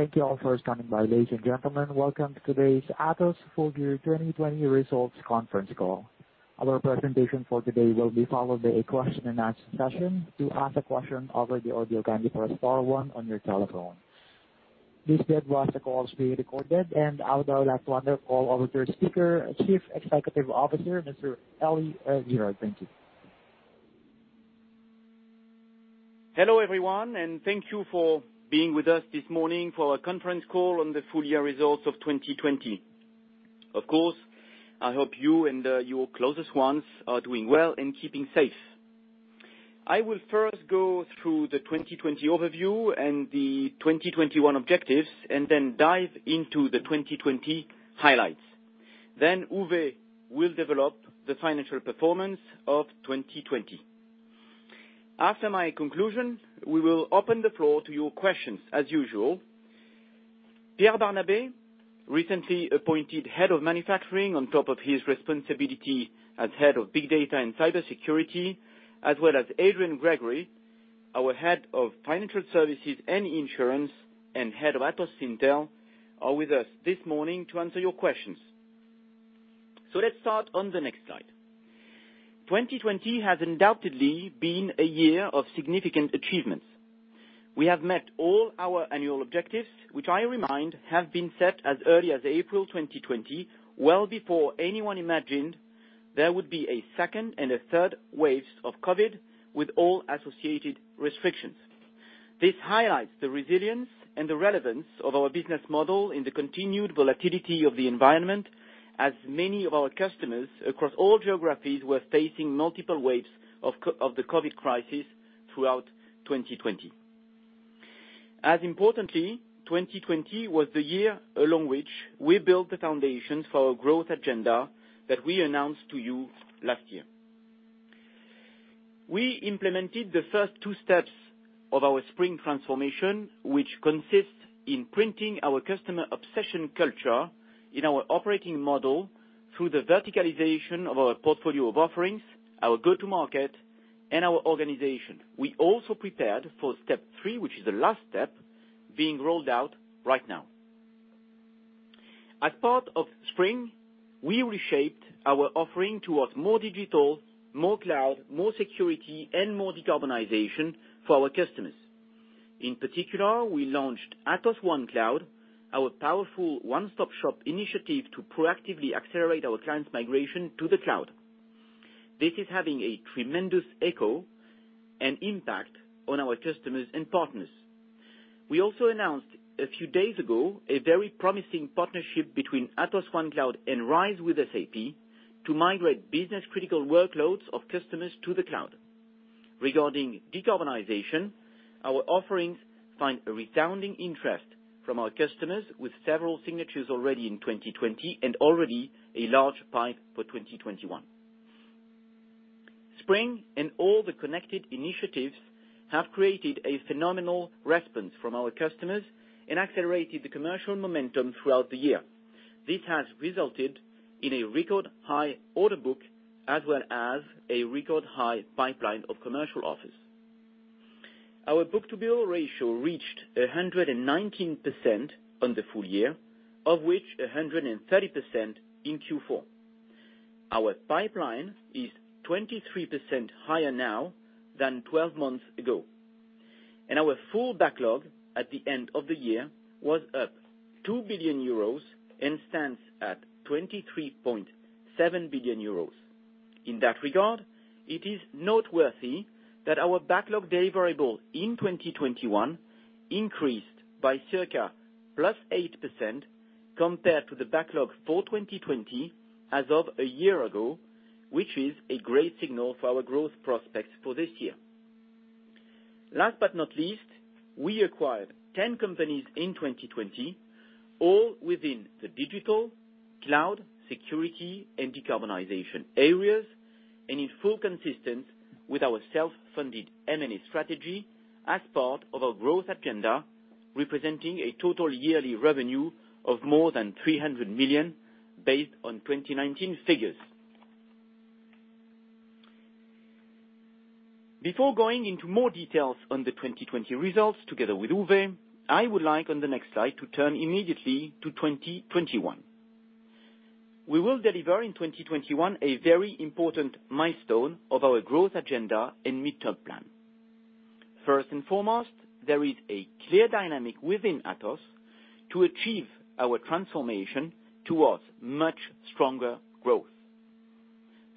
Thank you all for coming by. Ladies and gentlemen, welcome to today's Atos Full Year 2020 Results Conference Call. Our presentation for today will be followed by a question-and-answer session. To ask a question over the audio, kindly press star one on your telephone. This call is being recorded, and I would now like to hand the call over to our speaker, Chief Executive Officer, Mr. Elie Girard. Thank you. Hello, everyone, and thank you for being with us this morning for our conference call on the full-year results of 2020. Of course, I hope you and your closest ones are doing well and keeping safe. I will first go through the 2020 overview and the 2021 objectives and then dive into the 2020 highlights. Then Uwe will develop the financial performance of 2020. After my conclusion, we will open the floor to your questions as usual. Pierre Barnabé, recently appointed Head of Manufacturing on top of his responsibility as Head of Big Data and Cybersecurity, as well as Adrian Gregory, our Head of Financial Services and Insurance and Head of Atos Syntel, are with us this morning to answer your questions. Let's start on the next slide. 2020 has undoubtedly been a year of significant achievements. We have met all our annual objectives, which I remind have been set as early as April 2020, well before anyone imagined there would be a second and a third waves of COVID with all associated restrictions. This highlights the resilience and the relevance of our business model in the continued volatility of the environment, as many of our customers across all geographies were facing multiple waves of the COVID crisis throughout 2020. As importantly, 2020 was the year in which we built the foundation for our growth agenda that we announced to you last year. We implemented the first two steps of our Spring transformation, which consists in imprinting our customer obsession culture in our operating model through the verticalization of our portfolio of offerings, our go-to-market, and our organization. We also prepared for step three, which is the last step being rolled out right now. As part of Spring, we reshaped our offering towards more digital, more cloud, more security, and more decarbonization for our customers. In particular, we launched Atos One Cloud, our powerful one-stop shop initiative to proactively accelerate our clients' migration to the cloud. This is having a tremendous echo and impact on our customers and partners. We also announced a few days ago a very promising partnership between Atos One Cloud and RISE with SAP to migrate business-critical workloads of customers to the cloud. Regarding decarbonization, our offerings find a resounding interest from our customers, with several signatures already in 2020 and already a large pipeline for 2021. Spring and all the connected initiatives have created a phenomenal response from our customers and accelerated the commercial momentum throughout the year. This has resulted in a record high order book, as well as a record high pipeline of commercial offers. Our book-to-bill ratio reached 119% on the full year, of which 130% in Q4. Our pipeline is 23% higher now than 12 months ago, and our full backlog at the end of the year was up 2 billion euros and stands at 23.7 billion euros. In that regard, it is noteworthy that our backlog deliverable in 2021 increased by circa +8% compared to the backlog for 2020 as of a year ago, which is a great signal for our growth prospects for this year. Last but not least, we acquired 10 companies in 2020, all within the digital, cloud, security, and decarbonization areas, and fully consistent with our self-funded M&A strategy as part of our growth agenda, representing a total yearly revenue of more than 300 million based on 2019 figures. Before going into more details on the 2020 results together with Uwe, I would like on the next slide to turn immediately to 2021. We will deliver in 2021 a very important milestone of our growth agenda and midterm plan. First and foremost, there is a clear dynamic within Atos to achieve our transformation towards much stronger growth.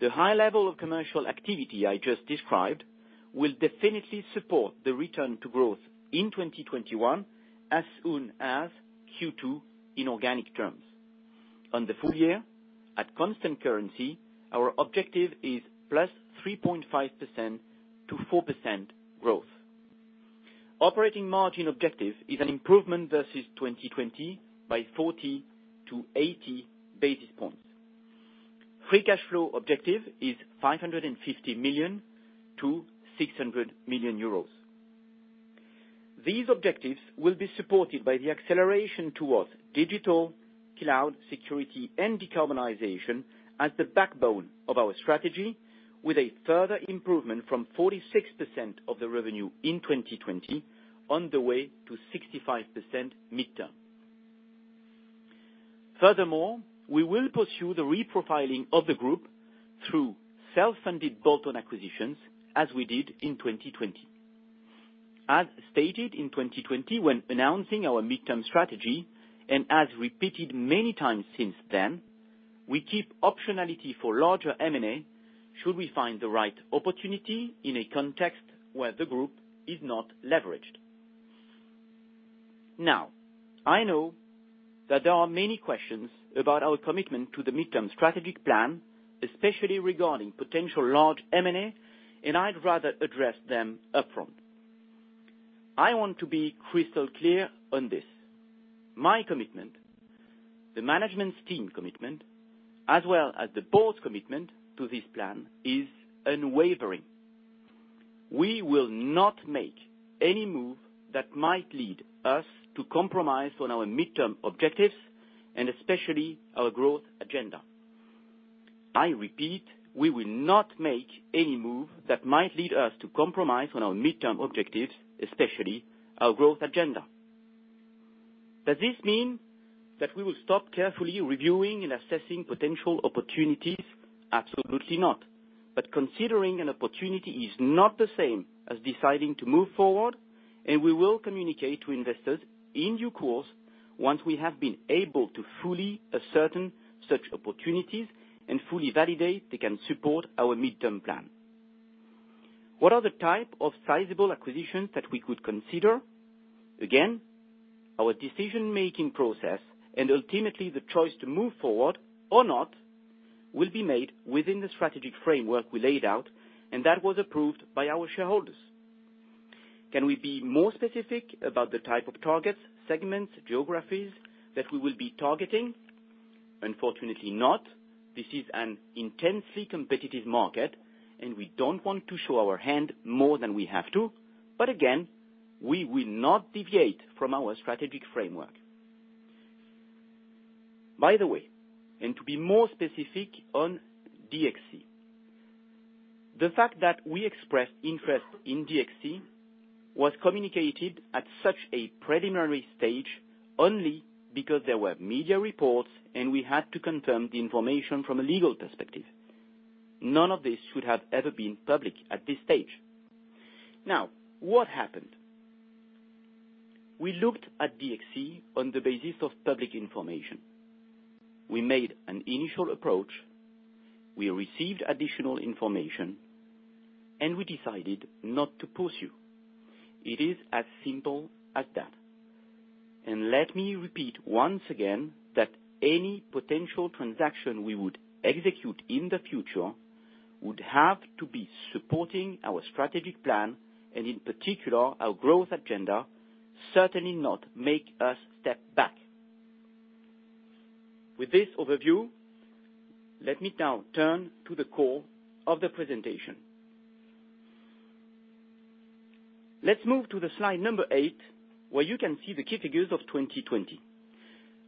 The high level of commercial activity I just described will definitely support the return to growth in 2021 as soon as Q2 in organic terms. On the full year, at constant currency, our objective is +3.5% to 4% growth. Operating margin objective is an improvement versus 2020 by 40-80 basis points. Free cash flow objective is 550 million-600 million euros. These objectives will be supported by the acceleration towards digital cloud, security, and decarbonization as the backbone of our strategy, with a further improvement from 46% of the revenue in 2020 on the way to 65% midterm. Furthermore, we will pursue the reprofiling of the group through self-funded bolt-on acquisitions, as we did in 2020. As stated in 2020 when announcing our midterm strategy, and as repeated many times since then, we keep optionality for larger M&A, should we find the right opportunity in a context where the group is not leveraged. Now, I know that there are many questions about our commitment to the midterm strategic plan, especially regarding potential large M&A, and I'd rather address them upfront. I want to be crystal clear on this. My commitment, the management team commitment, as well as the board's commitment to this plan, is unwavering. We will not make any move that might lead us to compromise on our midterm objectives and especially our growth agenda. I repeat, we will not make any move that might lead us to compromise on our midterm objectives, especially our growth agenda. Does this mean that we will stop carefully reviewing and assessing potential opportunities? Absolutely not. But considering an opportunity is not the same as deciding to move forward, and we will communicate to investors in due course once we have been able to fully ascertain such opportunities and fully validate they can support our midterm plan. What are the type of sizable acquisitions that we could consider? Again, our decision-making process and ultimately the choice to move forward or not, will be made within the strategic framework we laid out, and that was approved by our shareholders. Can we be more specific about the type of targets, segments, geographies that we will be targeting? Unfortunately not. This is an intensely competitive market, and we don't want to show our hand more than we have to, but again, we will not deviate from our strategic framework. By the way, and to be more specific on DXC, the fact that we expressed interest in DXC was communicated at such a preliminary stage only because there were media reports, and we had to confirm the information from a legal perspective. None of this should have ever been public at this stage. Now, what happened? We looked at DXC on the basis of public information. We made an initial approach, we received additional information, and we decided not to pursue. It is as simple as that, and let me repeat once again that any potential transaction we would execute in the future would have to be supporting our strategic plan, and in particular, our growth agenda, certainly not make us step back. With this overview, let me now turn to the core of the presentation. Let's move to the slide number eight, where you can see the key figures of 2020.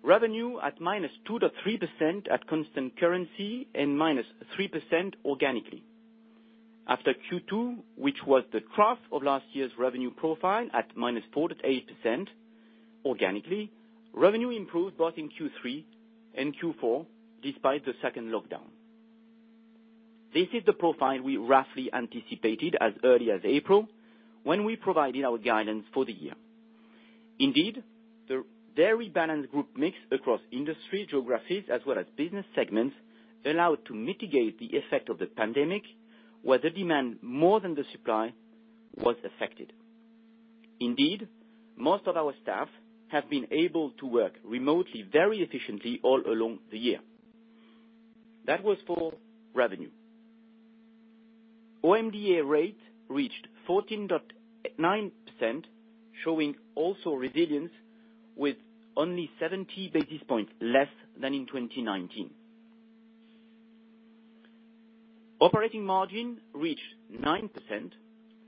Revenue at -2% to 3% at constant currency and -3% organically. After Q2, which was the trough of last year's revenue profile at -4% to 8%, organically, revenue improved both in Q3 and Q4, despite the second lockdown. This is the profile we roughly anticipated as early as April, when we provided our guidance for the year. Indeed, the very balanced group mix across industry, geographies, as well as business segments, allowed to mitigate the effect of the pandemic, where the demand, more than the supply, was affected. Indeed, most of our staff have been able to work remotely, very efficiently, all along the year. That was for revenue. OMDA rate reached 14.9%, showing also resilience with only seventy basis points less than in 2019. Operating margin reached 9%.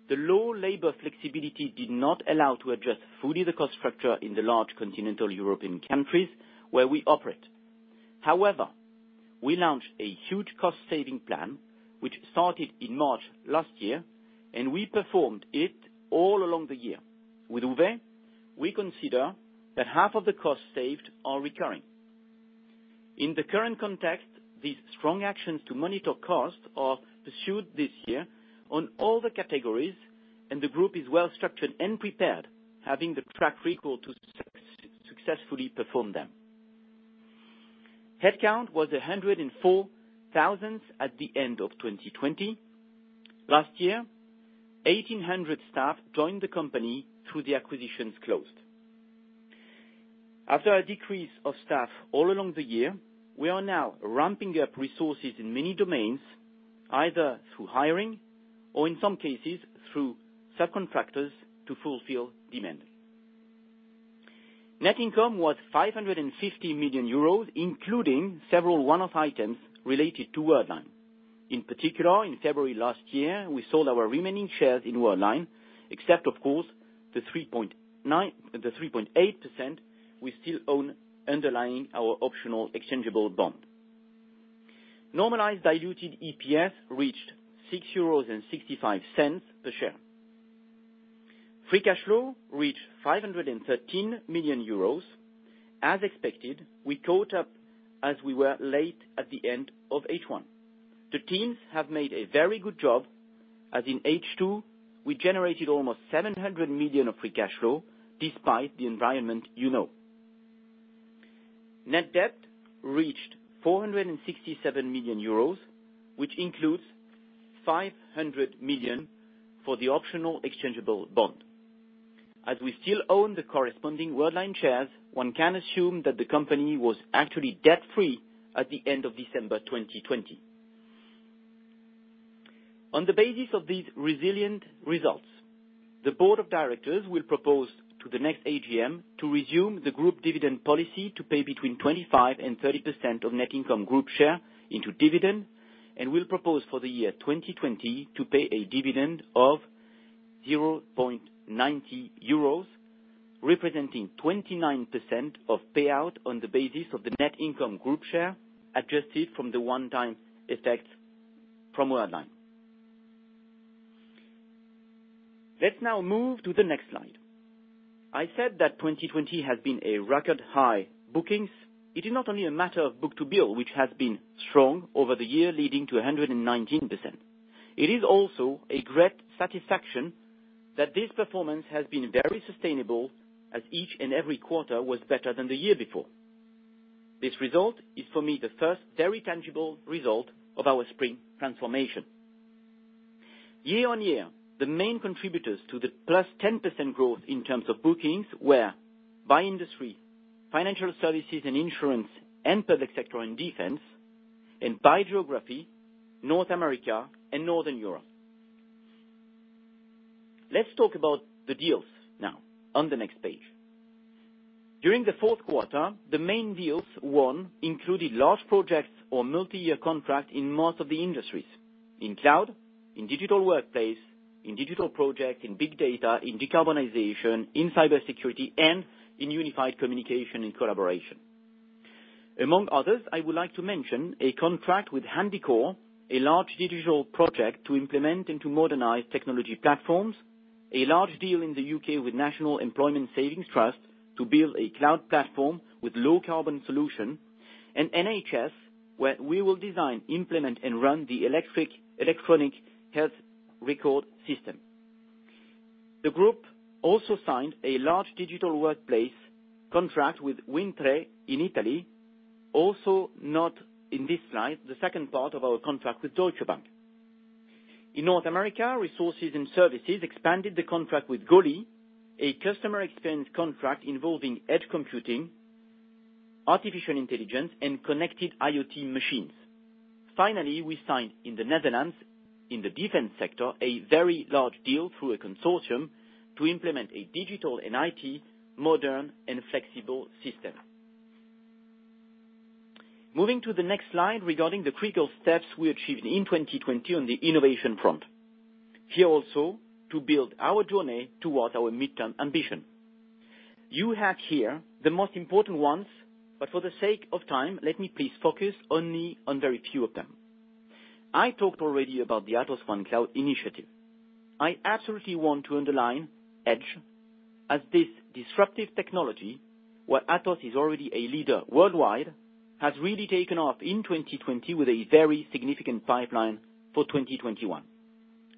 The low labor flexibility did not allow to adjust fully the cost structure in the large continental European countries where we operate. However, we launched a huge cost-saving plan, which started in March last year, and we performed it all along the year. With Uwe, we consider that half of the costs saved are recurring. In the current context, these strong actions to monitor costs are pursued this year on all the categories, and the group is well structured and prepared, having the track record to successfully perform them. Headcount was 104,000 at the end of 2020. Last year, 1,800 staff joined the company through the acquisitions closed. After a decrease of staff all along the year, we are now ramping up resources in many domains, either through hiring or in some cases, through subcontractors to fulfill demand. Net income was 550 million euros, including several one-off items related to Worldline. In particular, in February last year, we sold our remaining shares in Worldline, except of course the 3.9%, the 3.8% we still own underlying our optional exchangeable bond. Normalized diluted EPS reached 6.65 euros per share. Free cash flow reached 513 million euros. As expected, we caught up as we were late at the end of H1. The teams have made a very good job, as in H2, we generated almost 700 million of free cash flow despite the environment you know. Net debt reached 467 million euros, which includes 500 million for the optional exchangeable bond. As we still own the corresponding Worldline shares, one can assume that the company was actually debt-free at the end of December 2020. On the basis of these resilient results, the board of directors will propose to the next AGM to resume the group dividend policy to pay between 25% and 30% of net income group share into dividend, and will propose for the year 2020 to pay a dividend of 0.90 euros, representing 29% of payout on the basis of the net income group share, adjusted from the one-time effect from Worldline. Let's now move to the next slide. I said that 2020 has been a record high bookings. It is not only a matter of book-to-bill, which has been strong over the year, leading to a 119%. It is also a great satisfaction that this performance has been very sustainable, as each and every quarter was better than the year before. This result is, for me, the first very tangible result of our Spring transformation. Year on year, the main contributors to the +10% growth in terms of bookings were, by industry, financial services and insurance, and Public Sector and Defense, and by geography, North America and Northern Europe. Let's talk about the deals now on the next page. During the fourth quarter, the main deals won included large projects or multi-year contract in most of the industries. In Cloud, in Digital Workplace, in digital project, in Big Data, in Decarbonization, in Cybersecurity, and in Unified Communication and Collaboration. Among others, I would like to mention a contract with Haldor Topsoe, a large digital project to implement and to modernize technology platforms, a large deal in the U.K. with National Employment Savings Trust to build a cloud platform with low carbon solution, and NHS, where we will design, implement, and run the electronic health record system. The group also signed a large digital workplace contract with WINDTRE in Italy. Also, not in this slide, the second part of our contract with Deutsche Bank. In North America, Resources and Services expanded the contract with Goli, a customer experience contract involving edge computing, artificial intelligence, and connected IoT machines. Finally, we signed in the Netherlands, in the defense sector, a very large deal through a consortium to implement a digital and IT, modern and flexible system. Moving to the next slide, regarding the critical steps we achieved in 2020 on the innovation front. Here also, to build our journey towards our midterm ambition. You have here the most important ones, but for the sake of time, let me please focus only on very few of them. I talked already about the Atos One Cloud initiative. I absolutely want to underline edge as this disruptive technology, where Atos is already a leader worldwide, has really taken off in 2020 with a very significant pipeline for 2021.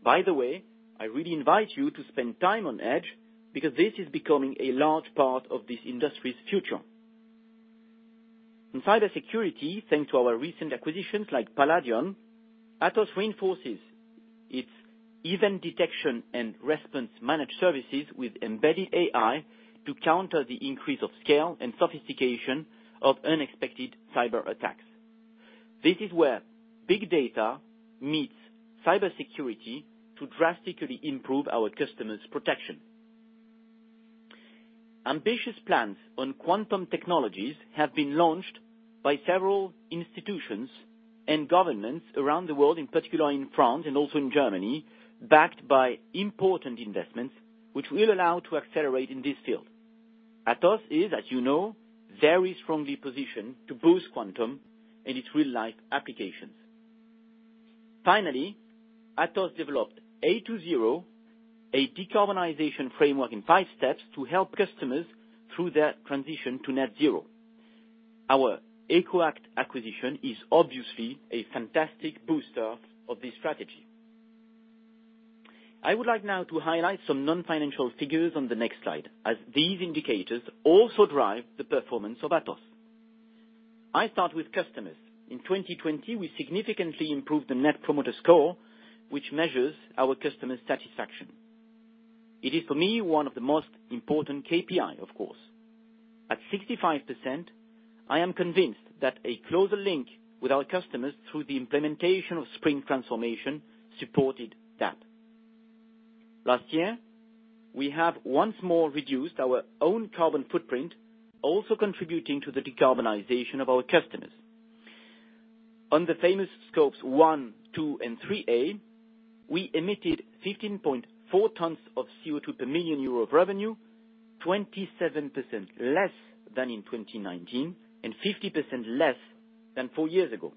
By the way, I really invite you to spend time on edge, because this is becoming a large part of this industry's future. In cybersecurity, thanks to our recent acquisitions like Paladion, Atos reinforces its event detection and response managed services with embedded AI to counter the increase of scale and sophistication of unprecedented cyberattacks. This is where big data meets cybersecurity to drastically improve our customers' protection. Ambitious plans on quantum technologies have been launched by several institutions and governments around the world, in particular in France and also in Germany, backed by important investments, which will allow to accelerate in this field. Atos is, as you know, very strongly positioned to boost quantum and its real-life applications. Finally, Atos developed A to Zero, a decarbonization framework in five steps to help customers through their transition to net zero. Our EcoAct acquisition is obviously a fantastic booster of this strategy. I would like now to highlight some non-financial figures on the next slide, as these indicators also drive the performance of Atos. I start with customers. In 2020, we significantly improved the Net Promoter Score, which measures our customer satisfaction. It is, for me, one of the most important KPI, of course. At 65%, I am convinced that a closer link with our customers through the implementation of Spring transformation supported that. Last year, we have once more reduced our own carbon footprint, also contributing to the decarbonization of our customers. On the famous Scope 1, 2, and 3, we emitted 15.4 tons of CO2 per million EUR of revenue, 27% less than in 2019, and 50% less than four years ago.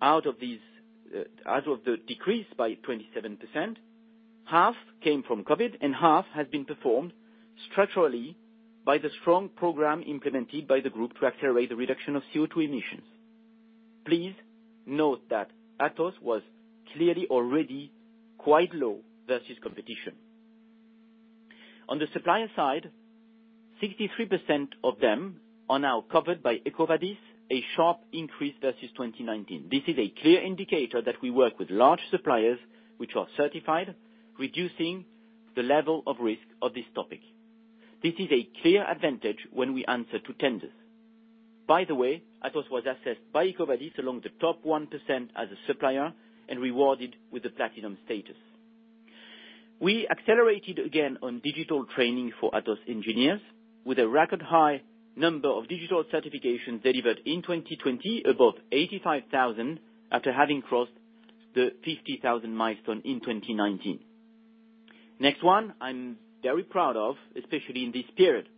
Out of these, out of the decrease by 27%, half came from COVID, and half has been performed structurally by the strong program implemented by the group to accelerate the reduction of CO2 emissions. Please note that Atos was clearly already quite low versus competition. On the supplier side, 63% of them are now covered by EcoVadis, a sharp increase versus 2019. This is a clear indicator that we work with large suppliers, which are certified, reducing the level of risk of this topic. This is a clear advantage when we answer to tenders. By the way, Atos was assessed by EcoVadis among the top 1% as a supplier and rewarded with a platinum status. We accelerated again on digital training for Atos engineers with a record high number of digital certifications delivered in 2020, above 85,000, after having crossed the 50,000 milestone in 2019. Next one, I'm very proud of, especially in this period.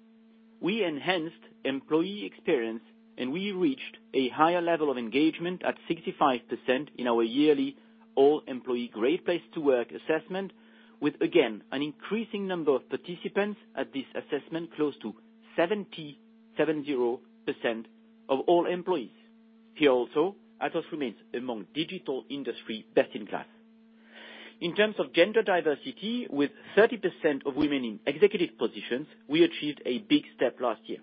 We enhanced employee experience, and we reached a higher level of engagement at 65% in our yearly All Employee Great Place to Work assessment, with, again, an increasing number of participants at this assessment, close to 70% of all employees. Here also, Atos remains among digital industry best in class. In terms of gender diversity, with 30% of women in executive positions, we achieved a big step last year.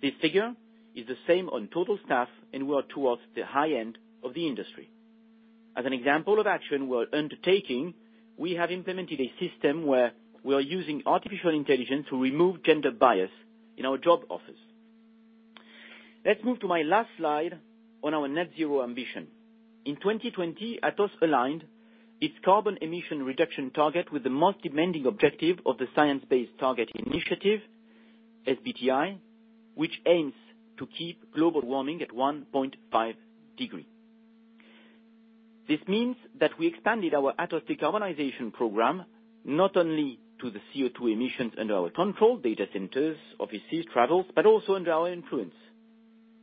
This figure is the same on total staff, and we are towards the high end of the industry. As an example of action we are undertaking, we have implemented a system where we are using artificial intelligence to remove gender bias in our job offers. Let's move to my last slide on our net zero ambition. In 2020, Atos aligned its carbon emission reduction target with the most demanding objective of the Science Based Targets initiative, SBTi, which aims to keep global warming at 1.5 degrees. This means that we expanded our Atos decarbonization program not only to the CO2 emissions under our control, data centers, offices, travels, but also under our influence,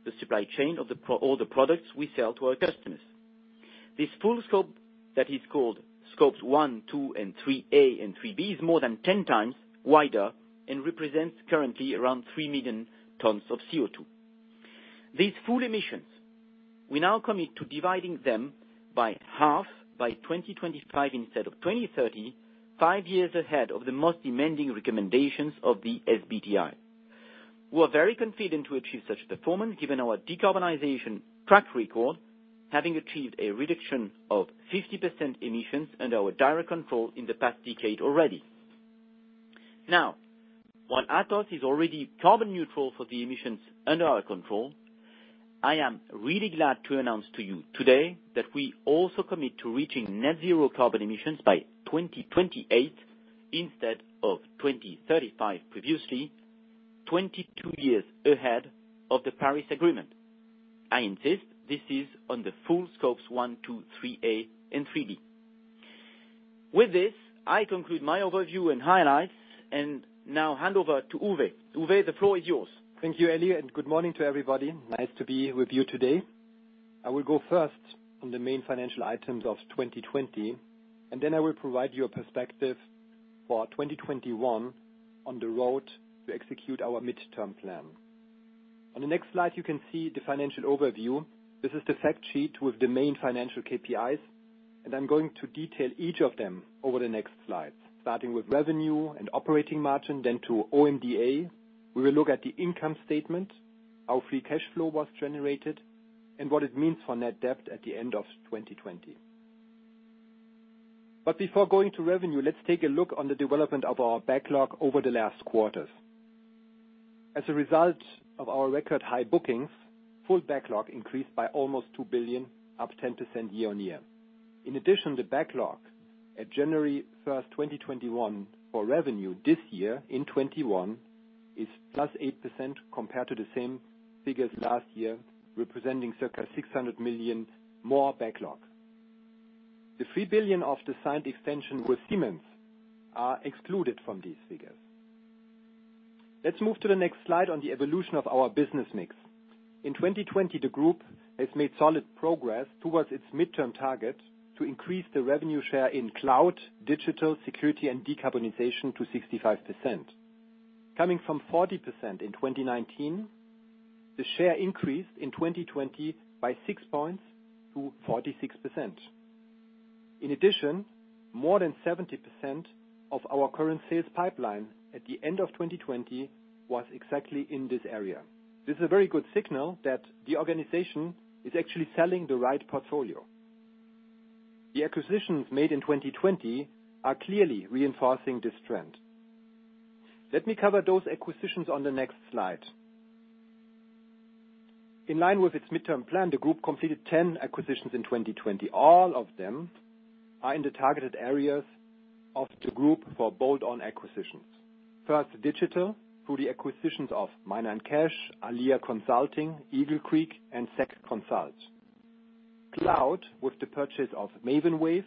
the supply chain of all the products we sell to our customers. This full scope, that is called Scopes 1, 2, and 3a and 3b, is more than 10 times wider and represents currently around three million tons of CO2. These full emissions, we now commit to dividing them by half by 2025 instead of 2030, five years ahead of the most demanding recommendations of the SBTi. We are very confident to achieve such performance, given our decarbonization track record, having achieved a reduction of 50% emissions under our direct control in the past decade already. Now, while Atos is already carbon neutral for the emissions under our control, I am really glad to announce to you today that we also commit to reaching net zero carbon emissions by 2028 instead of 2035 previously, 22 years ahead of the Paris Agreement. I insist this is on the full Scope 1, 2, 3a, and 3b. With this, I conclude my overview and highlights, and now hand over to Uwe. Uwe, the floor is yours. Thank you, Elie, and good morning to everybody. Nice to be with you today. I will go first on the main financial items of 2020, and then I will provide you a perspective for 2021 on the road to execute our midterm plan. On the next slide, you can see the financial overview. This is the fact sheet with the main financial KPIs, and I'm going to detail each of them over the next slides, starting with revenue and operating margin, then to OMDA. We will look at the income statement, how free cash flow was generated, and what it means for net debt at the end of 2020. But before going to revenue, let's take a look on the development of our backlog over the last quarters. As a result of our record high bookings, full backlog increased by almost two billion, up 10% year-on-year. In addition, the backlog at January 1, 2021 for revenue this year, in 2021, is plus 8% compared to the same figures last year, representing circa 600 million more backlog. The 3 billion of the signed extension with Siemens are excluded from these figures. Let's move to the next slide on the evolution of our business mix. In 2020, the group has made solid progress towards its midterm target to increase the revenue share in cloud, digital security, and decarbonization to 65%. Coming from 40% in 2019, the share increased in 2020 by six points to 46%. In addition, more than 70% of our current sales pipeline at the end of 2020 was exactly in this area. This is a very good signal that the organization is actually selling the right portfolio. The acquisitions made in 2020 are clearly reinforcing this trend. Let me cover those acquisitions on the next slide. In line with its midterm plan, the group completed ten acquisitions in 2020. All of them are in the targeted areas of the group for bolt-on acquisitions. First, digital, through the acquisitions of Miner & Kasch, Alia Consulting, Eagle Creek, and SEC Consult. Cloud, with the purchase of Maven Wave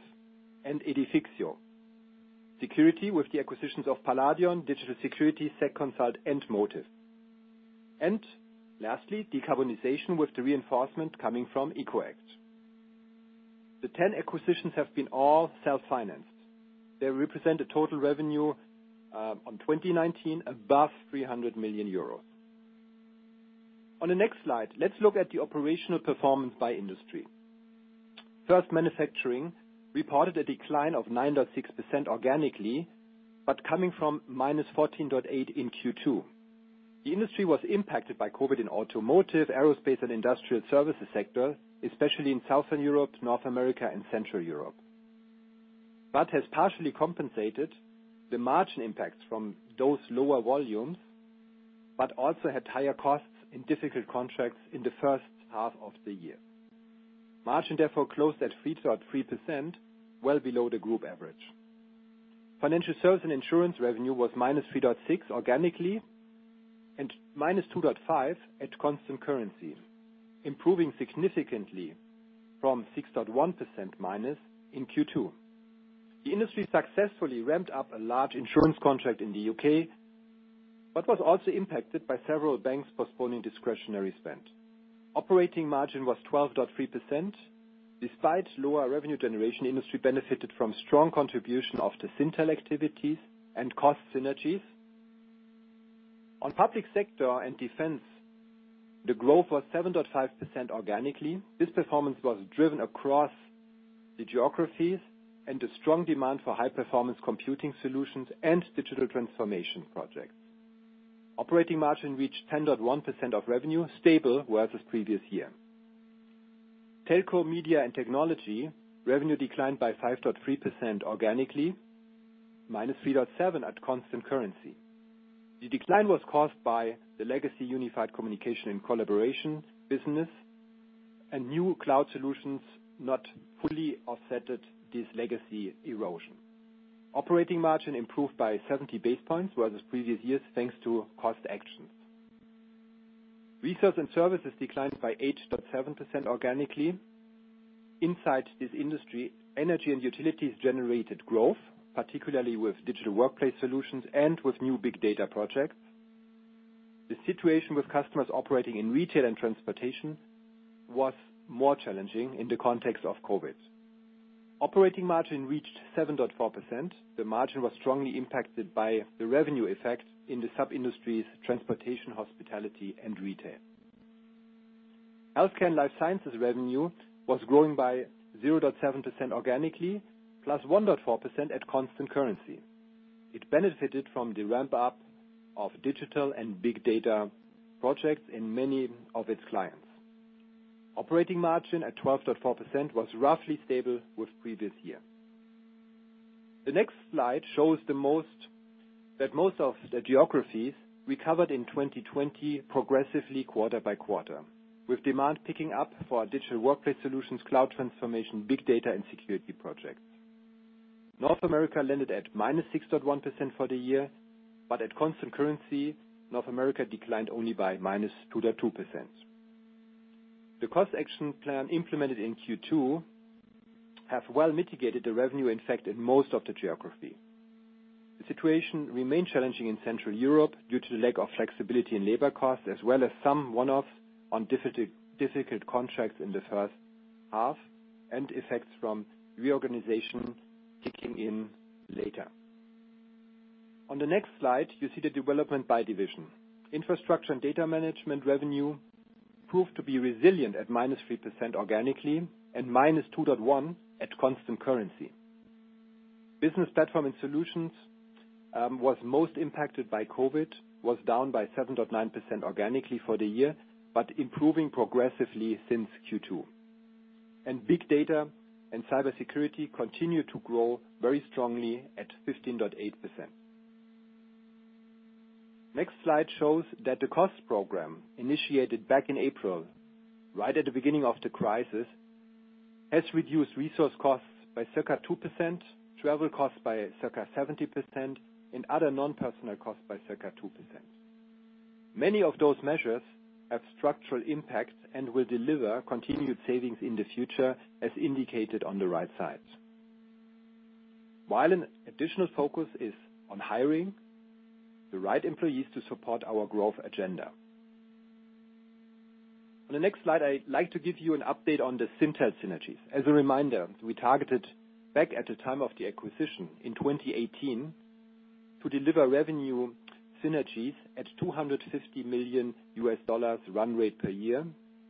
and Edifixio. Security, with the acquisitions of Paladion, Digital Security, SEC Consult, and Motiv. And lastly, decarbonization, with the reinforcement coming from EcoAct. The ten acquisitions have been all self-financed. They represent a total revenue on 2019, above 300 million euros. On the next slide, let's look at the operational performance by industry. First, Manufacturing reported a decline of 9.6% organically, but coming from -14.8% in Q2. The industry was impacted by COVID in automotive, aerospace, and industrial services sector, especially in Southern Europe, North America, and Central Europe, but has partially compensated the margin impacts from those lower volumes, but also had higher costs in difficult contracts in the first half of the year. Margin therefore closed at 3.3%, well below the group average. Financial Service and Insurance revenue was -3.6% organically, and -2.5% at constant currency, improving significantly from -6.1% in Q2. The industry successfully ramped up a large insurance contract in the U.K., but was also impacted by several banks postponing discretionary spend. Operating margin was 12.3%. Despite lower revenue generation, the industry benefited from strong contribution of the Syntel activities and cost synergies. On public sector and defense, the growth was 7.5% organically. This performance was driven across the geographies and the strong demand for high performance computing solutions and digital transformation projects. Operating margin reached 10.1% of revenue, stable versus the previous year. Telco, Media, and Technology revenue declined by 5.3% organically, -3.7% at constant currency. The decline was caused by the legacy unified communication and collaboration business, and new cloud solutions not fully offset this legacy erosion. Operating margin improved by 70 basis points versus the previous year, thanks to cost actions. Resources and Services declined by 8.7% organically. Inside this industry, energy and utilities generated growth, particularly with digital workplace solutions and with new big data projects. The situation with customers operating in retail and transportation was more challenging in the context of COVID. Operating margin reached 7.4%. The margin was strongly impacted by the revenue effect in the sub-industries, transportation, hospitality, and retail. Healthcare and Life Sciences revenue was growing by 0.7% organically, +1.4% at constant currency. It benefited from the ramp up of digital and big data projects in many of its clients. Operating margin at 12.4% was roughly stable with previous year. The next slide shows that most of the geographies recovered in 2020 progressively quarter-by-quarter, with demand picking up for our digital workplace solutions, cloud transformation, big data, and security projects. North America landed at -6.1% for the year, but at constant currency, North America declined only by -2.2%. The cost action plan implemented in Q2 have well mitigated the revenue effect in most of the geography. The situation remains challenging in Central Europe due to the lack of flexibility in labor costs, as well as some one-offs on difficult contracts in the first half, and effects from reorganization kicking in later. On the next slide, you see the development by division. Infrastructure and Data Management revenue proved to be resilient at -3% organically and -2.1% at constant currency. Business Platform and Solutions was most impacted by COVID, was down by 7.9% organically for the year, but improving progressively since Q2, and Big Data and Cybersecurity continued to grow very strongly at 15.8%. Next slide shows that the cost program, initiated back in April, right at the beginning of the crisis, has reduced resource costs by circa 2%, travel costs by circa 70%, and other non-personnel costs by circa 2%. Many of those measures have structural impacts and will deliver continued savings in the future, as indicated on the right side. While an additional focus is on hiring the right employees to support our growth agenda. On the next slide, I'd like to give you an update on the Syntel synergies. As a reminder, we targeted back at the time of the acquisition in 2018, to deliver revenue synergies at $250 million run rate per year,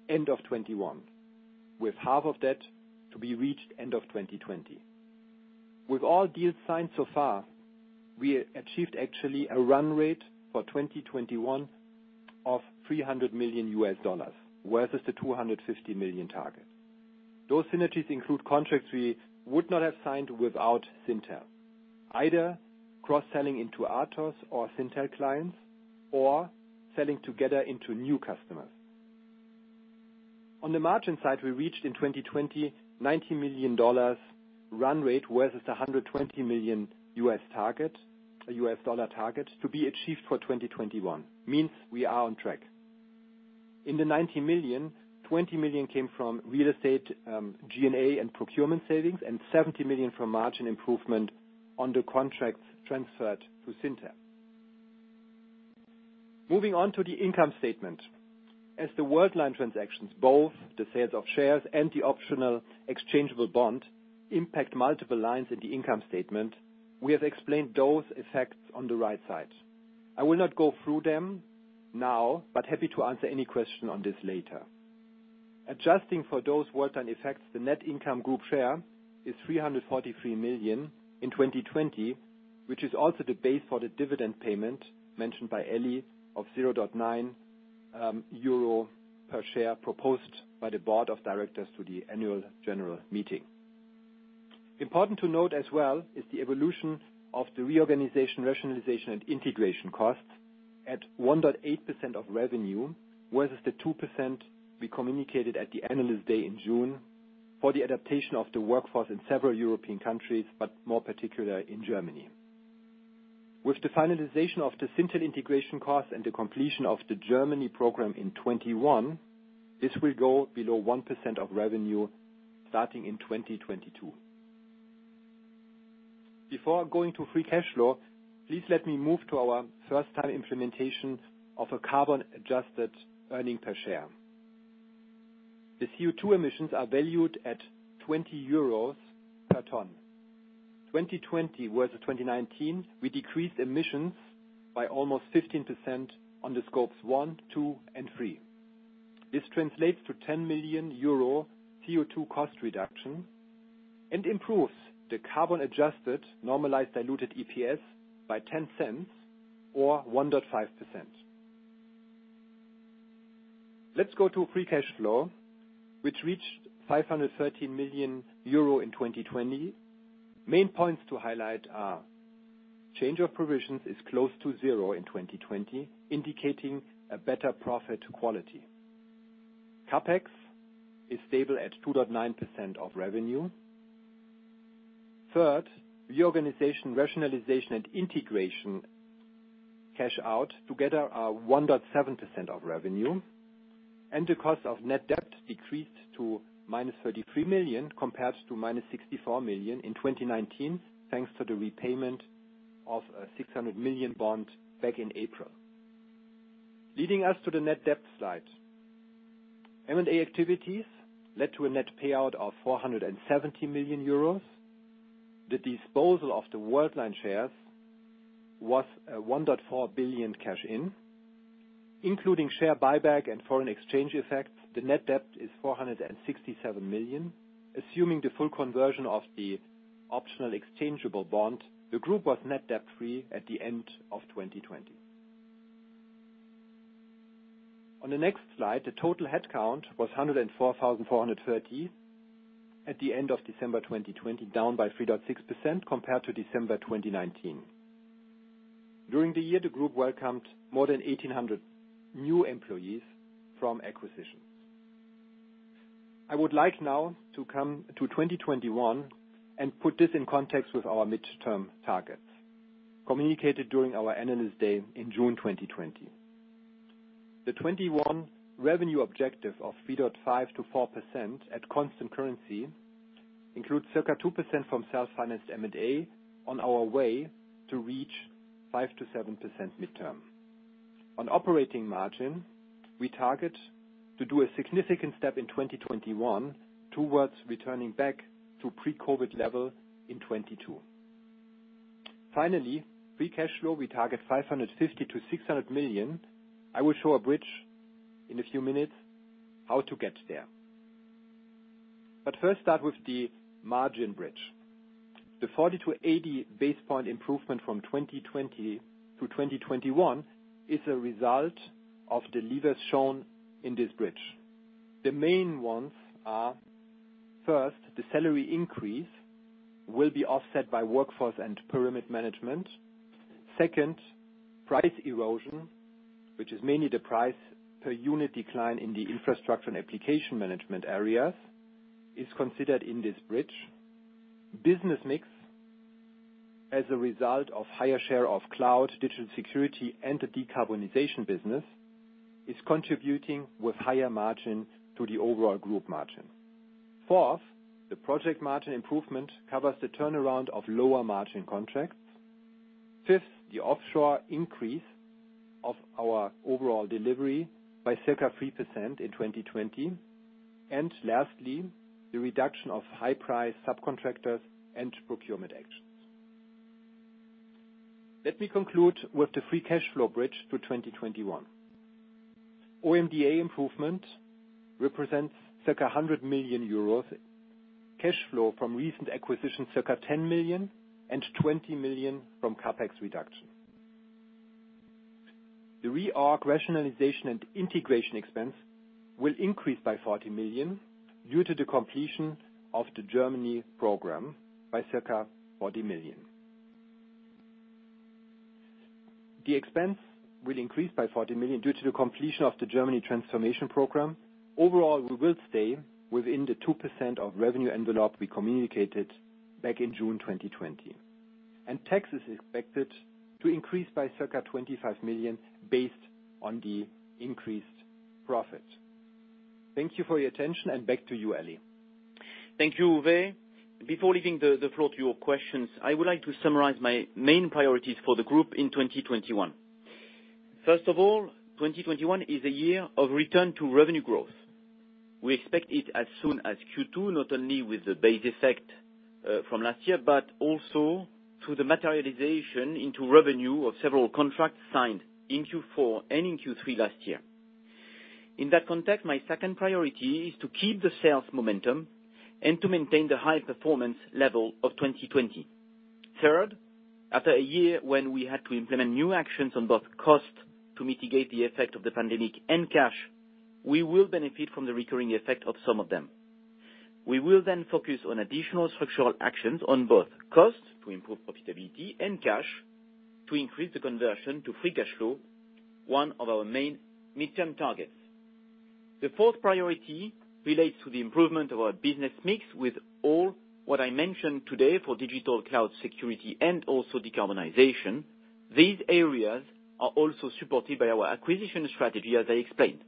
end of 2021, with half of that to be reached end of 2020. With all deals signed so far, we achieved actually a run rate for 2021 of $300 million, whereas the $250 million target.... Those synergies include contracts we would not have signed without Syntel, either cross-selling into Atos or Syntel clients, or selling together into new customers. On the margin side, we reached in 2020, $90 million run rate versus the $120 million target to be achieved for 2021. Means we are on track. In the $90 million, $20 million came from real estate, G&A and procurement savings, and $70 million from margin improvement on the contracts transferred to Syntel. Moving on to the income statement. As the Worldline transactions, both the sales of shares and the optional exchangeable bond, impact multiple lines in the income statement, we have explained those effects on the right side. I will not go through them now, but happy to answer any question on this later. Adjusting for those Worldline effects, the net income group share is 343 million in 2020, which is also the base for the dividend payment mentioned by Elie of 0.9 euro per share, proposed by the board of directors to the annual general meeting. Important to note as well is the evolution of the reorganization, rationalization, and integration costs at 1.8% of revenue, versus the 2% we communicated at the analyst day in June for the adaptation of the workforce in several European countries, but more particularly in Germany. With the finalization of the Syntel integration costs and the completion of the Germany program in 2021, this will go below 1% of revenue starting in 2022. Before going to free cash flow, please let me move to our first time implementation of a carbon-adjusted earnings per share. The CO2 emissions are valued at 20 euros per ton. 2020 versus 2019, we decreased emissions by almost 15% on the Scopes 1, 2, and 3. This translates to 10 million euro CO2 cost reduction, and improves the carbon-adjusted, normalized, diluted EPS by 0.10 or 1.5%. Let's go to free cash flow, which reached 513 million euro in 2020. Main points to highlight are: change of provisions is close to zero in 2020, indicating a better profit quality. CapEx is stable at 2.9% of revenue. Third, reorganization, rationalization, and integration cash out together are 1.7% of revenue, and the cost of net debt decreased to -33 million, compared to -64 million in 2019, thanks to the repayment of a 600 million bond back in April. Leading us to the net debt slide. M&A activities led to a net payout of 470 million euros. The disposal of the Worldline shares was a 1.4 billion cash in. Including share buyback and foreign exchange effects, the net debt is 467 million. Assuming the full conversion of the optional exchangeable bond, the group was net debt free at the end of 2020. On the next slide, the total headcount was 104,430 at the end of December 2020, down by 3.6% compared to December 2019. During the year, the group welcomed more than 1,800 new employees from acquisitions. I would like now to come to 2021 and put this in context with our midterm targets, communicated during our analyst day in June 2020. The 2021 revenue objective of 3.5%-4% at constant currency includes circa 2% from self-financed M&A on our way to reach 5%-7% midterm. On operating margin, we target to do a significant step in 2021 towards returning back to pre-COVID level in 2022. Finally, free cash flow, we target 550 million-600 million. I will show a bridge in a few minutes how to get there. But first, start with the margin bridge. The 40-80 basis points improvement from 2020 to 2021 is a result of the levers shown in this bridge. The main ones are, first, the salary increase will be offset by workforce and pyramid management. Second, price erosion, which is mainly the price per unit decline in the infrastructure and application management areas, is considered in this bridge. Business mix, as a result of higher share of cloud, digital security, and the decarbonization business, is contributing with higher margin to the overall group margin. Fourth, the project margin improvement covers the turnaround of lower margin contracts. Fifth, the offshore increase of our overall delivery by circa 3% in 2020. And lastly, the reduction of high price subcontractors and procurement actions. Let me conclude with the free cash flow bridge to 2021. OMDA improvement represents circa 100 million euros. Cash flow from recent acquisitions, circa 10 million, and 20 million from CapEx reduction. The reorg rationalization and integration expense will increase by 40 million due to the completion of the Germany program by circa 40 million. The expense will increase by 40 million due to the completion of the Germany transformation program. Overall, we will stay within the 2% of revenue envelope we communicated back in June 2020, and tax is expected to increase by circa 25 million based on the increased profit. Thank you for your attention, and back to you, Elie. Thank you, Uwe. Before leaving the floor to your questions, I would like to summarize my main priorities for the group in 2021. First of all, 2021 is a year of return to revenue growth. We expect it as soon as Q2, not only with the base effect from last year, but also through the materialization into revenue of several contracts signed in Q4 and in Q3 last year. In that context, my second priority is to keep the sales momentum and to maintain the high performance level of 2020. Third, after a year when we had to implement new actions on both cost to mitigate the effect of the pandemic and cash, we will benefit from the recurring effect of some of them. We will then focus on additional structural actions on both cost, to improve profitability, and cash, to increase the conversion to free cash flow, one of our main midterm targets. The fourth priority relates to the improvement of our business mix with all what I mentioned today for digital cloud security and also decarbonization. These areas are also supported by our acquisition strategy, as I explained.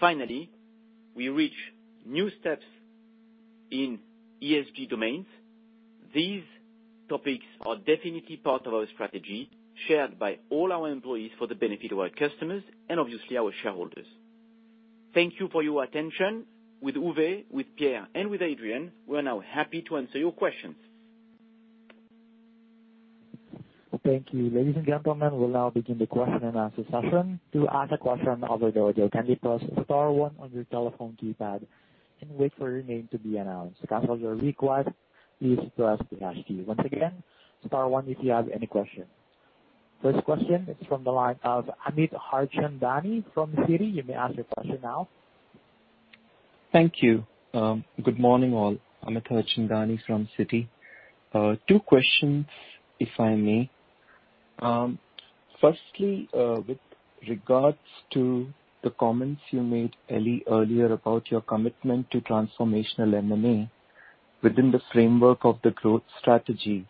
Finally, we reach new steps in ESG domains. These topics are definitely part of our strategy, shared by all our employees for the benefit of our customers and obviously our shareholders. Thank you for your attention. With Uwe, with Pierre, and with Adrian, we are now happy to answer your questions. Thank you. Ladies and gentlemen, we'll now begin the question-and-answer session. To ask a question over the audio, kindly press star one on your telephone keypad and wait for your name to be announced. To cancel your request, please press the hash key. Once again, star one if you have any questions. First question is from the line of Amit Harchandani from Citi. You may ask your question now. Thank you. Good morning, all. I'm Amit Harchandani from Citi. Two questions, if I may. Firstly, with regards to the comments you made, Elie, earlier about your commitment to transformational M&A within the framework of the growth strategy,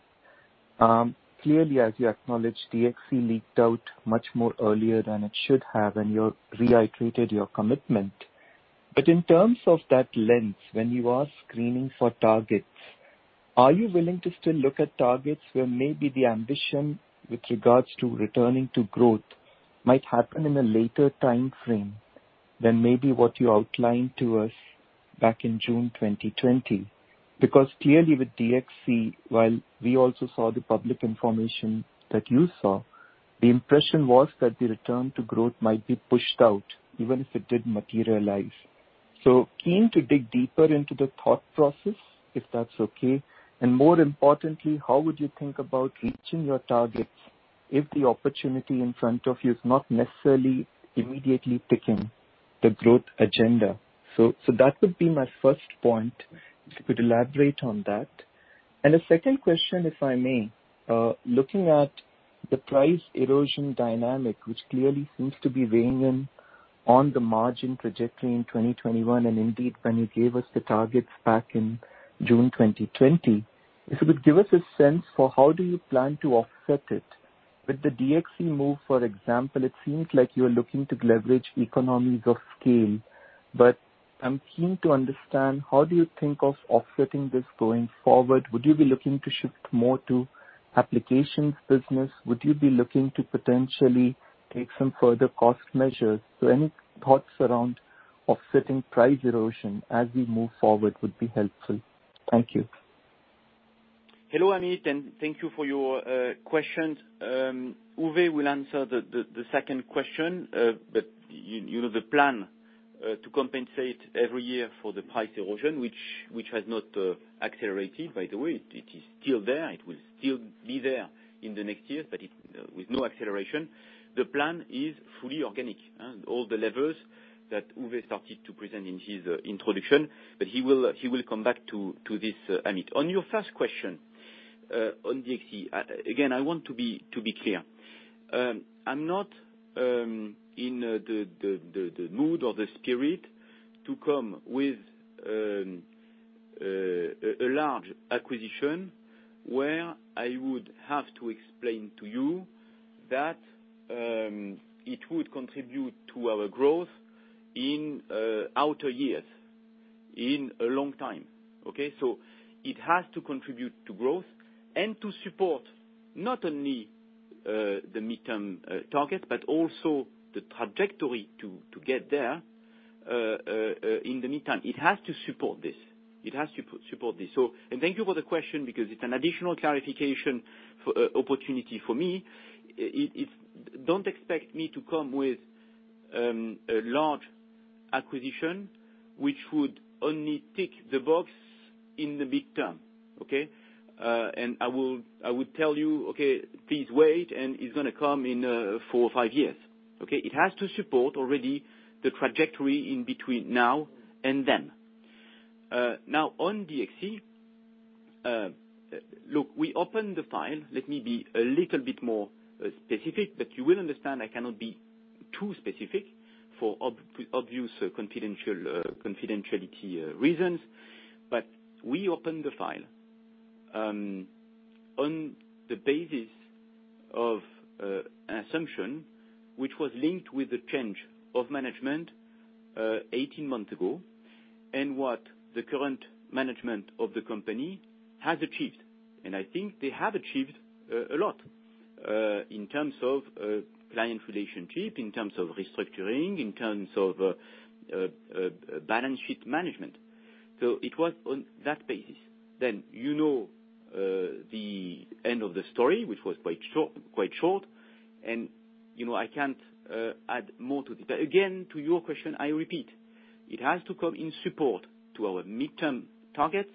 clearly, as you acknowledged, DXC leaked out much more earlier than it should have, and you're reiterated your commitment. But in terms of that lens, when you are screening for targets, are you willing to still look at targets where maybe the ambition with regards to returning to growth might happen in a later timeframe than maybe what you outlined to us back in June 2020? Because clearly with DXC, while we also saw the public information that you saw, the impression was that the return to growth might be pushed out, even if it did materialize. So keen to dig deeper into the thought process, if that's okay, and more importantly, how would you think about reaching your targets if the opportunity in front of you is not necessarily immediately ticking the growth agenda? So, so that would be my first point, if you could elaborate on that. And a second question, if I may. Looking at the price erosion dynamic, which clearly seems to be weighing in on the margin trajectory in 2021, and indeed, when you gave us the targets back in June 2020, if you could give us a sense for how do you plan to offset it? With the DXC move, for example, it seems like you are looking to leverage economies of scale, but I'm keen to understand, how do you think of offsetting this going forward? Would you be looking to shift more to applications business? Would you be looking to potentially take some further cost measures? So any thoughts around offsetting price erosion as we move forward would be helpful. Thank you. Hello, Amit, and thank you for your questions. Uwe will answer the second question, but you know the plan to compensate every year for the price erosion, which has not accelerated, by the way. It is still there. It will still be there in the next years, but it, with no acceleration. The plan is fully organic, all the levers that Uwe started to present in his introduction, but he will come back to this, Amit. On your first question on DXC, again, I want to be clear. I'm not in the mood or the spirit to come with a large acquisition, where I would have to explain to you that it would contribute to our growth in outer years, in a long time, okay? So it has to contribute to growth and to support not only the midterm target, but also the trajectory to get there in the meantime. It has to support this. It has to support this and thank you for the question, because it's an additional clarification for opportunity for me. Don't expect me to come with a large acquisition, which would only tick the box in the midterm, okay? I will, I would tell you, okay, please wait, and it's gonna come in four or five years, okay? It has to support already the trajectory in between now and then. Now, on DXC, look, we opened the file. Let me be a little bit more specific, but you will understand I cannot be too specific for obvious confidentiality reasons. But we opened the file on the basis of an assumption which was linked with the change of management eighteen months ago, and what the current management of the company has achieved. I think they have achieved a lot in terms of client relationship, in terms of restructuring, in terms of balance sheet management. So it was on that basis. Then, you know, the end of the story, which was quite short, and, you know, I can't add more to it. But again, to your question, I repeat, it has to come in support to our midterm targets,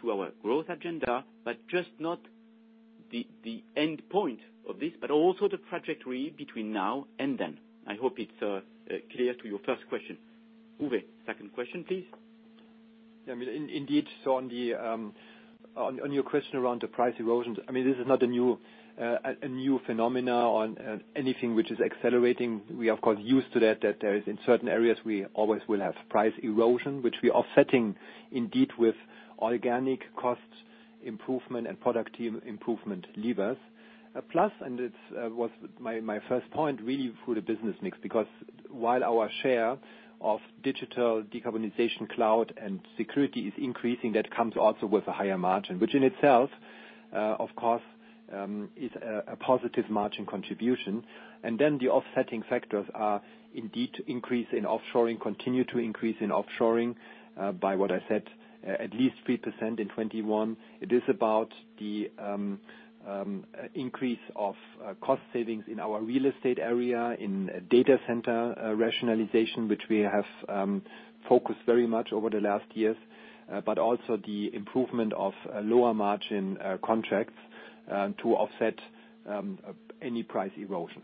to our growth agenda, but just not the end point of this, but also the trajectory between now and then. I hope it's clear to your first question. Uwe, second question, please. Yeah, I mean, indeed, so on your question around the price erosions, I mean, this is not a new phenomenon or anything which is accelerating. We, of course, used to that there is in certain areas. We always will have price erosion, which we are offsetting indeed with organic cost improvement and product team improvement levers. Plus, and it was my first point, really, for the business mix, because while our share of digital, decarbonization, cloud and security is increasing, that comes also with a higher margin. Which in itself, of course, is a positive margin contribution. And then the offsetting factors are indeed the continued increase in offshoring, by what I said, at least 3% in 2021. It is about the increase of cost savings in our real estate area, in data center rationalization, which we have focused very much over the last years, but also the improvement of lower margin contracts to offset any price erosion.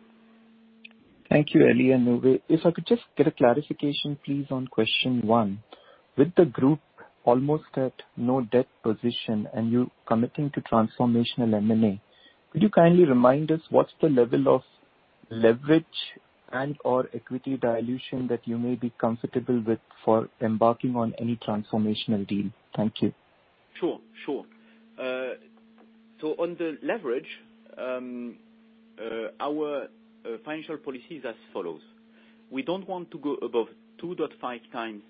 Thank you, Elie and Uwe. If I could just get a clarification, please, on question one. With the group almost at no debt position, and you're committing to transformational M&A, could you kindly remind us what's the level of leverage and/or equity dilution that you may be comfortable with for embarking on any transformational deal? Thank you. Sure, sure. So on the leverage, our financial policy is as follows: We don't want to go above two point five times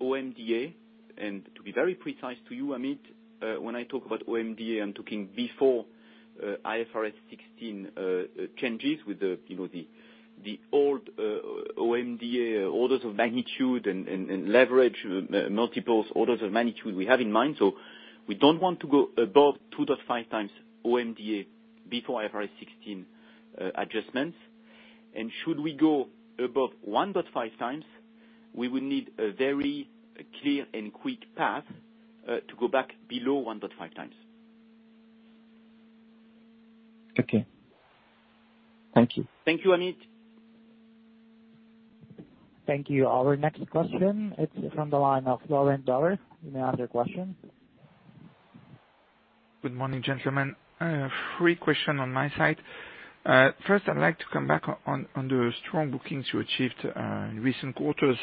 OMDA. And to be very precise to you, Amit, when I talk about OMDA, I'm talking before IFRS 16 changes with the, you know, the old OMDA, orders of magnitude and leverage multiples, orders of magnitude we have in mind. So we don't want to go above 2.5x OMDA before IFRS 16 adjustments. And should we go above 1.5x, we would need a very clear and quick path to go back below 1.5x. Okay. Thank you. Thank you, Amit. Thank you. Our next question is from the line of Laurent Daure. You may ask your question. Good morning, gentlemen. Three question on my side. First, I'd like to come back on the strong bookings you achieved in recent quarters,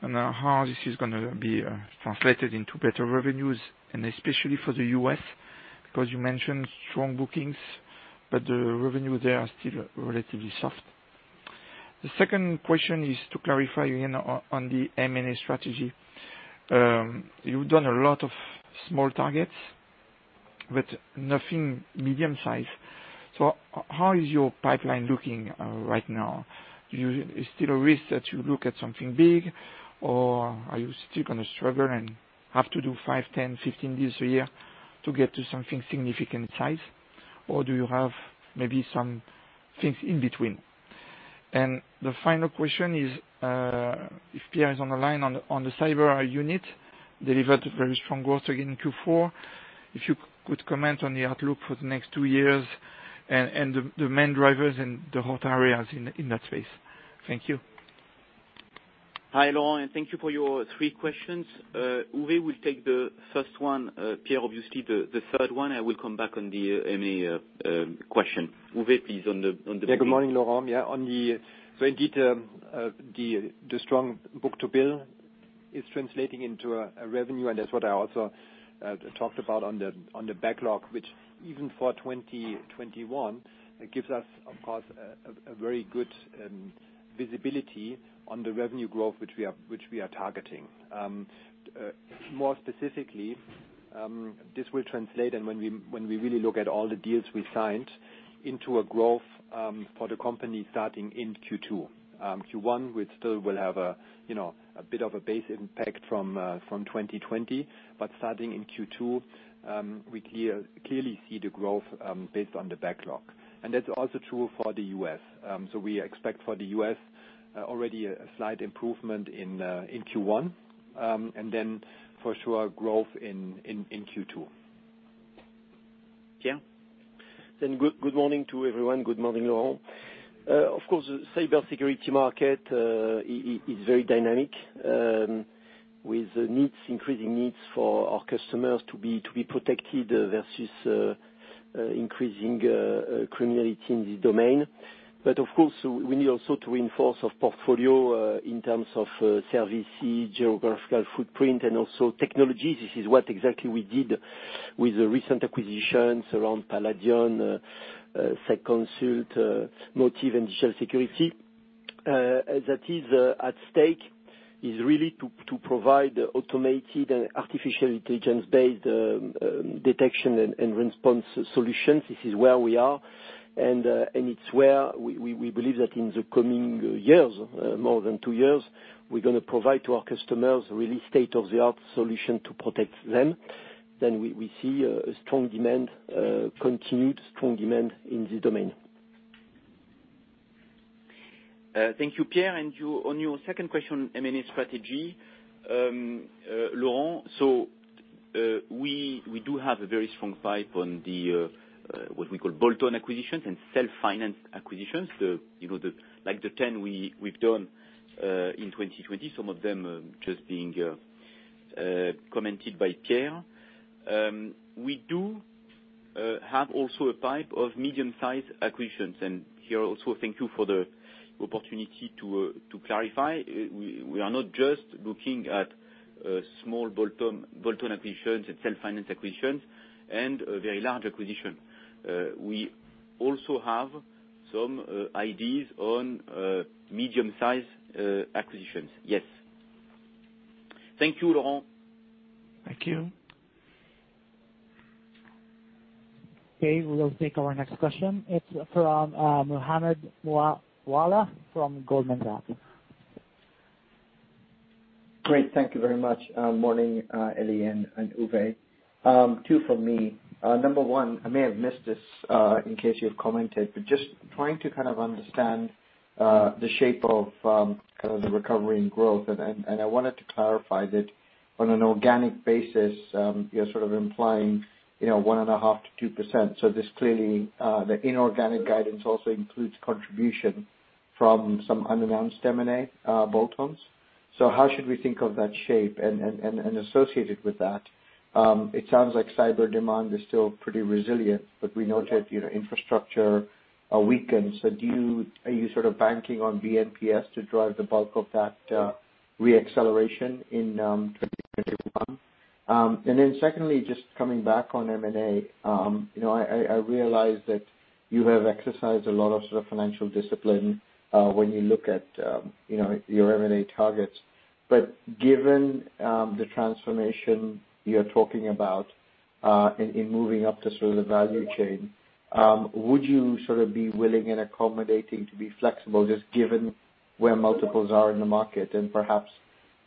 and how this is gonna be translated into better revenues, and especially for the U.S., because you mentioned strong bookings, but the revenue there are still relatively soft. The second question is to clarify on the M&A strategy. You've done a lot of small targets, but nothing medium-sized. So how is your pipeline looking right now? Is still a risk that you look at something big, or are you still gonna struggle and have to do five, 10, 15 deals a year to get to something significant size? Or do you have maybe some things in between? The final question is, if Pierre is on the line, on the cyber unit, delivered very strong growth again in Q4. If you could comment on the outlook for the next two years and the main drivers in the hot areas in that space. Thank you. Hi, Laurent, thank you for your three questions. Uwe will take the first one, Pierre, obviously the third one. I will come back on the M&A question. Uwe, please, on the- Yeah, good morning, Laurent. Yeah, on the, so indeed, the strong book-to-bill is translating into a revenue, and that's what I also talked about on the backlog, which even for 2021, it gives us, of course, a very good visibility on the revenue growth which we are targeting. This will translate, and when we really look at all the deals we signed, into a growth for the company starting in Q2. Q1, we still will have a, you know, a bit of a base impact from 2020, but starting in Q2, we clearly see the growth based on the backlog. And that's also true for the U.S. So we expect for the U.S., already a slight improvement in Q1, and then for sure, growth in Q2. Pierre? Good morning to everyone. Good morning, Laurent. Of course, cybersecurity market is very dynamic with increasing needs for our customers to be protected versus increasing criminality in the domain. But of course, we need also to reinforce our portfolio in terms of service, geographical footprint, and also technologies. This is what exactly we did with the recent acquisitions around Paladion, SEC Consult, Motiv, and Digital Security. That is at stake is really to provide automated and artificial intelligence-based detection and response solutions. This is where we are, and it's where we believe that in the coming years, more than two years, we're gonna provide to our customers a really state-of-the-art solution to protect them. Then we see a strong demand, continued strong demand in the domain. Thank you, Pierre. And on your second question, M&A strategy, Laurent, so, we do have a very strong pipe on the what we call bolt-on acquisitions and self-finance acquisitions. The, you know, the, like, the 10 we've done in 2020, some of them just being commented by Pierre. We do have also a pipe of medium-sized acquisitions, and here also thank you for the opportunity to clarify. We are not just looking at small bolt-on acquisitions and self-finance acquisitions and a very large acquisition. We also have some ideas on medium-size acquisitions. Yes. Thank you, Laurent. Thank you. Okay, we will take our next question. It's from Mohammed Moawalla from Goldman Sachs. Great. Thank you very much. Morning, Elie and Uwe. Two from me. Number one, I may have missed this, in case you have commented, but just trying to kind of understand the shape of kind of the recovery and growth. And I wanted to clarify that on an organic basis, you're sort of implying, you know, 1.5%-2%. So this clearly, the inorganic guidance also includes contribution from some unannounced M&A bolt-ons. So how should we think of that shape? And associated with that, it sounds like cyber demand is still pretty resilient, but we noted, you know, infrastructure weakened. So, are you sort of banking on B&PS to drive the bulk of that re-acceleration in 2021? And then secondly, just coming back on M&A, you know, I realize that you have exercised a lot of sort of financial discipline when you look at you know your M&A targets. But given the transformation you're talking about in moving up the sort of value chain, would you sort of be willing and accommodating to be flexible, just given where multiples are in the market, and perhaps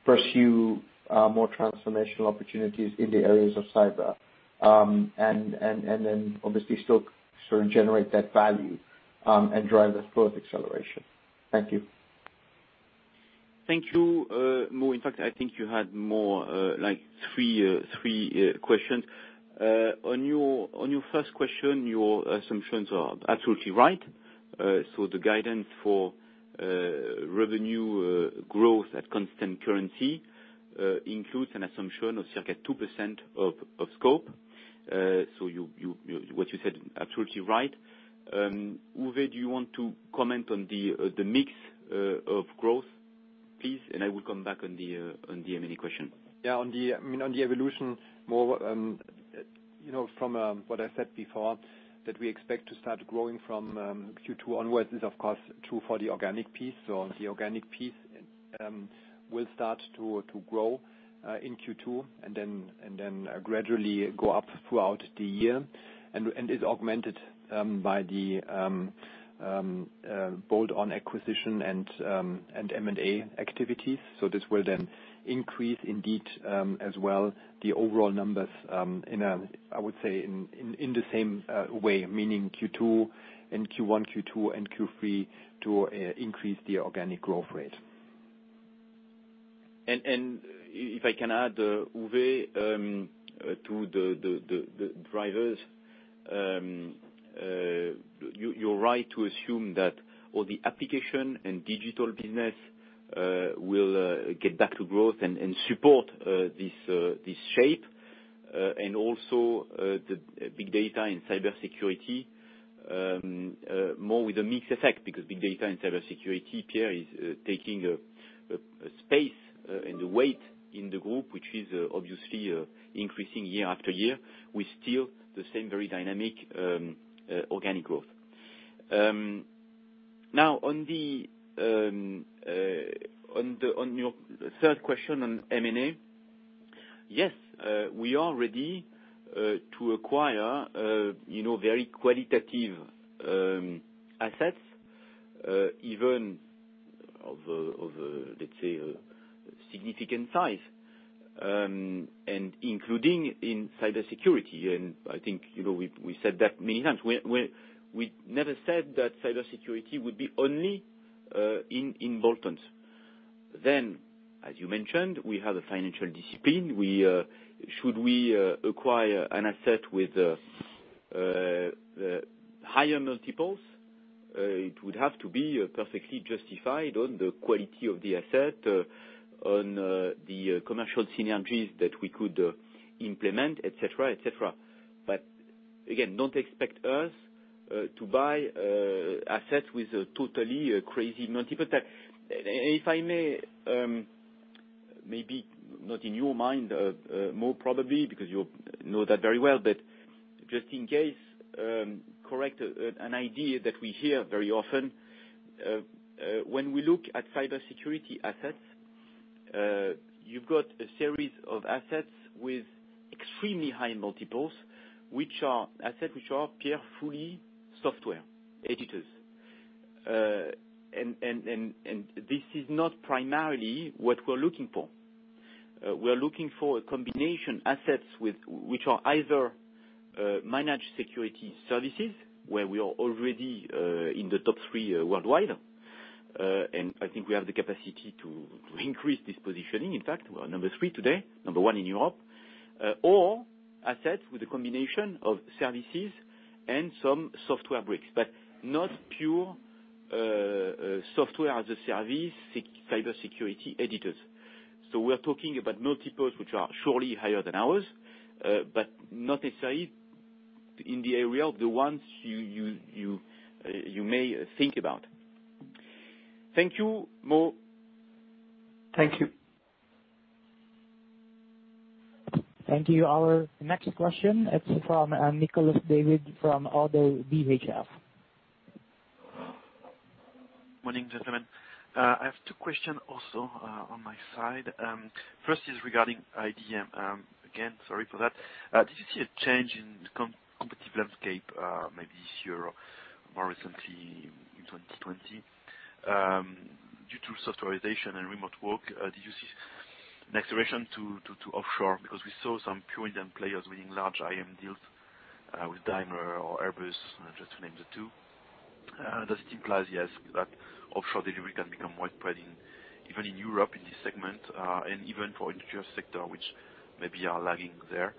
pursue more transformational opportunities in the areas of cyber? And then obviously still sort of generate that value and drive the growth acceleration. Thank you. Thank you, Mo. In fact, I think you had more, like, three questions. On your first question, your assumptions are absolutely right. So the guidance for revenue growth at constant currency includes an assumption of circa 2% of scope. So you, what you said, absolutely right. Uwe, do you want to comment on the mix of growth, please? And I will come back on the M&A question. Yeah, I mean, on the evolution more, you know, from what I said before, that we expect to start growing from Q2 onwards is of course true for the organic piece. So the organic piece will start to grow in Q2 and then gradually go up throughout the year and is augmented by the bolt-on acquisition and M&A activities. So this will then increase indeed as well the overall numbers in a way, I would say, in the same way, meaning in Q1, Q2, and Q3 to increase the organic growth rate. If I can add, Uwe, to the drivers, you're right to assume that all the application and digital business will get back to growth and support this shape. Also, the Big Data and Cybersecurity more with a mixed effect, because Big Data and Cybersecurity, Pierre, is taking a space and a weight in the group, which is obviously increasing year after year, with still the same very dynamic organic growth.... Now, on your third question on M&A, yes, we are ready to acquire, you know, very qualitative assets, even of a significant size, and including in cybersecurity, and I think, you know, we never said that cybersecurity would be only in bolt-on. Then, as you mentioned, we have a financial discipline. We should acquire an asset with higher multiples, it would have to be perfectly justified on the quality of the asset, on the commercial synergies that we could implement, et cetera, et cetera. But again, don't expect us to buy assets with a totally crazy multiple. And if I may, maybe not in your mind, Mo, probably, because you know that very well, but just in case, correct an idea that we hear very often, when we look at cybersecurity assets, you've got a series of assets with extremely high multiples, which are assets which are purely software editors. And this is not primarily what we're looking for. We're looking for a combination assets with, which are either, managed security services, where we are already in the top three worldwide. And I think we have the capacity to increase this positioning. In fact, we are number three today, number one in Europe, or assets with a combination of services and some software bricks, but not pure software as a service, cybersecurity editors. We're talking about multiples, which are surely higher than ours, but not necessarily in the area of the ones you may think about. Thank you, Mo. Thank you. Thank you. Our next question is from Nicolas David, from Oddo BHF. Morning, gentlemen. I have two questions also on my side. First is regarding IDM. Again, sorry for that. Did you see a change in competitive landscape, maybe this year or more recently in 2020, due to softwarization and remote work? Did you see an acceleration to offshore? Because we saw some pure Indian players winning large IM deals with Daimler or Airbus, just to name the two. Does it implies, yes, that offshore delivery can become widespread in even in Europe, in this segment, and even for industrial sector, which maybe are lagging there?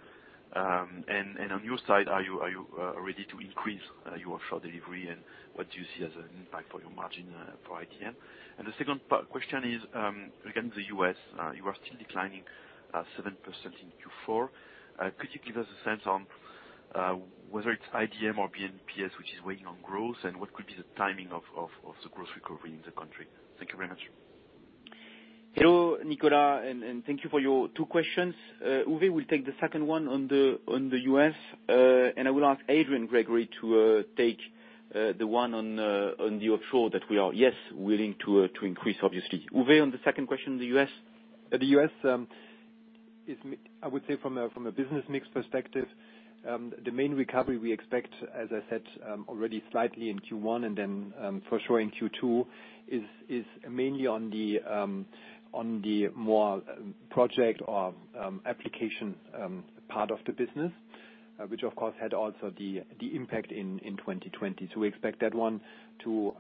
And on your side, are you ready to increase your offshore delivery? And what do you see as an impact for your margin for IDM? And the second question is, regarding the U.S. You are still declining 7% in Q4. Could you give us a sense on whether it's IDM or B&PS which is weighing on growth, and what could be the timing of the growth recovery in the country? Thank you very much. Hello, Nicolas, and thank you for your two questions. Uwe will take the second one on the U.S., and I will ask Adrian Gregory to take the one on the offshore that we are, yes, willing to increase, obviously. Uwe, on the second question, the U.S.? The U.S. is, I would say from a business mix perspective, the main recovery we expect, as I said, already slightly in Q1 and then for sure in Q2, is mainly on the more project or application part of the business, which of course had also the impact in 2020. So we expect that one to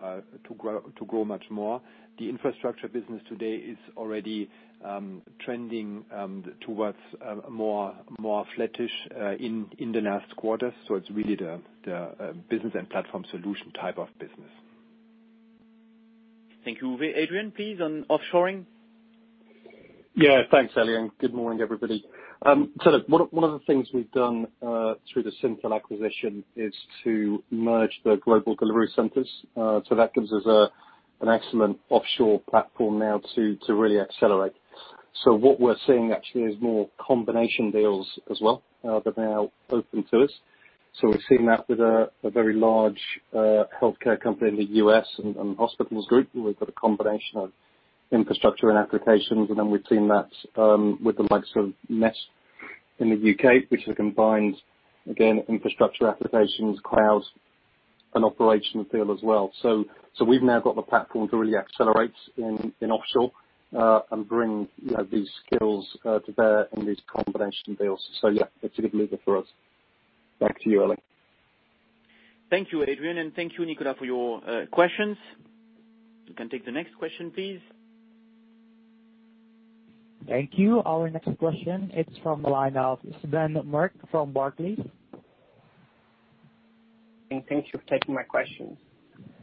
grow much more. The infrastructure business today is already trending towards more flattish in the last quarter. So it's really the business and platform solution type of business. Thank you, Uwe. Adrian, please, on offshoring. Yeah, thanks, Elie, and good morning, everybody. So one of the things we've done through the Syntel acquisition is to merge the global delivery centers, so that gives us an excellent offshore platform now to really accelerate. So what we're seeing actually is more combination deals as well that are now open to us. So we've seen that with a very large healthcare company in the U.S. and hospitals group, where we've got a combination of infrastructure and applications. And then we've seen that with the likes of NHS in the U.K., which is a combined, again, infrastructure, applications, clouds, and operational deal as well. So we've now got the platform to really accelerate in offshore and bring, you know, these skills to bear in these combination deals. So yeah, it's a good mover for us. Back to you, Elie. Thank you, Adrian, and thank you, Nicolas, for your questions. You can take the next question, please. Thank you. Our next question is from the line of Sven Merkt from Barclays. Thanks for taking my questions.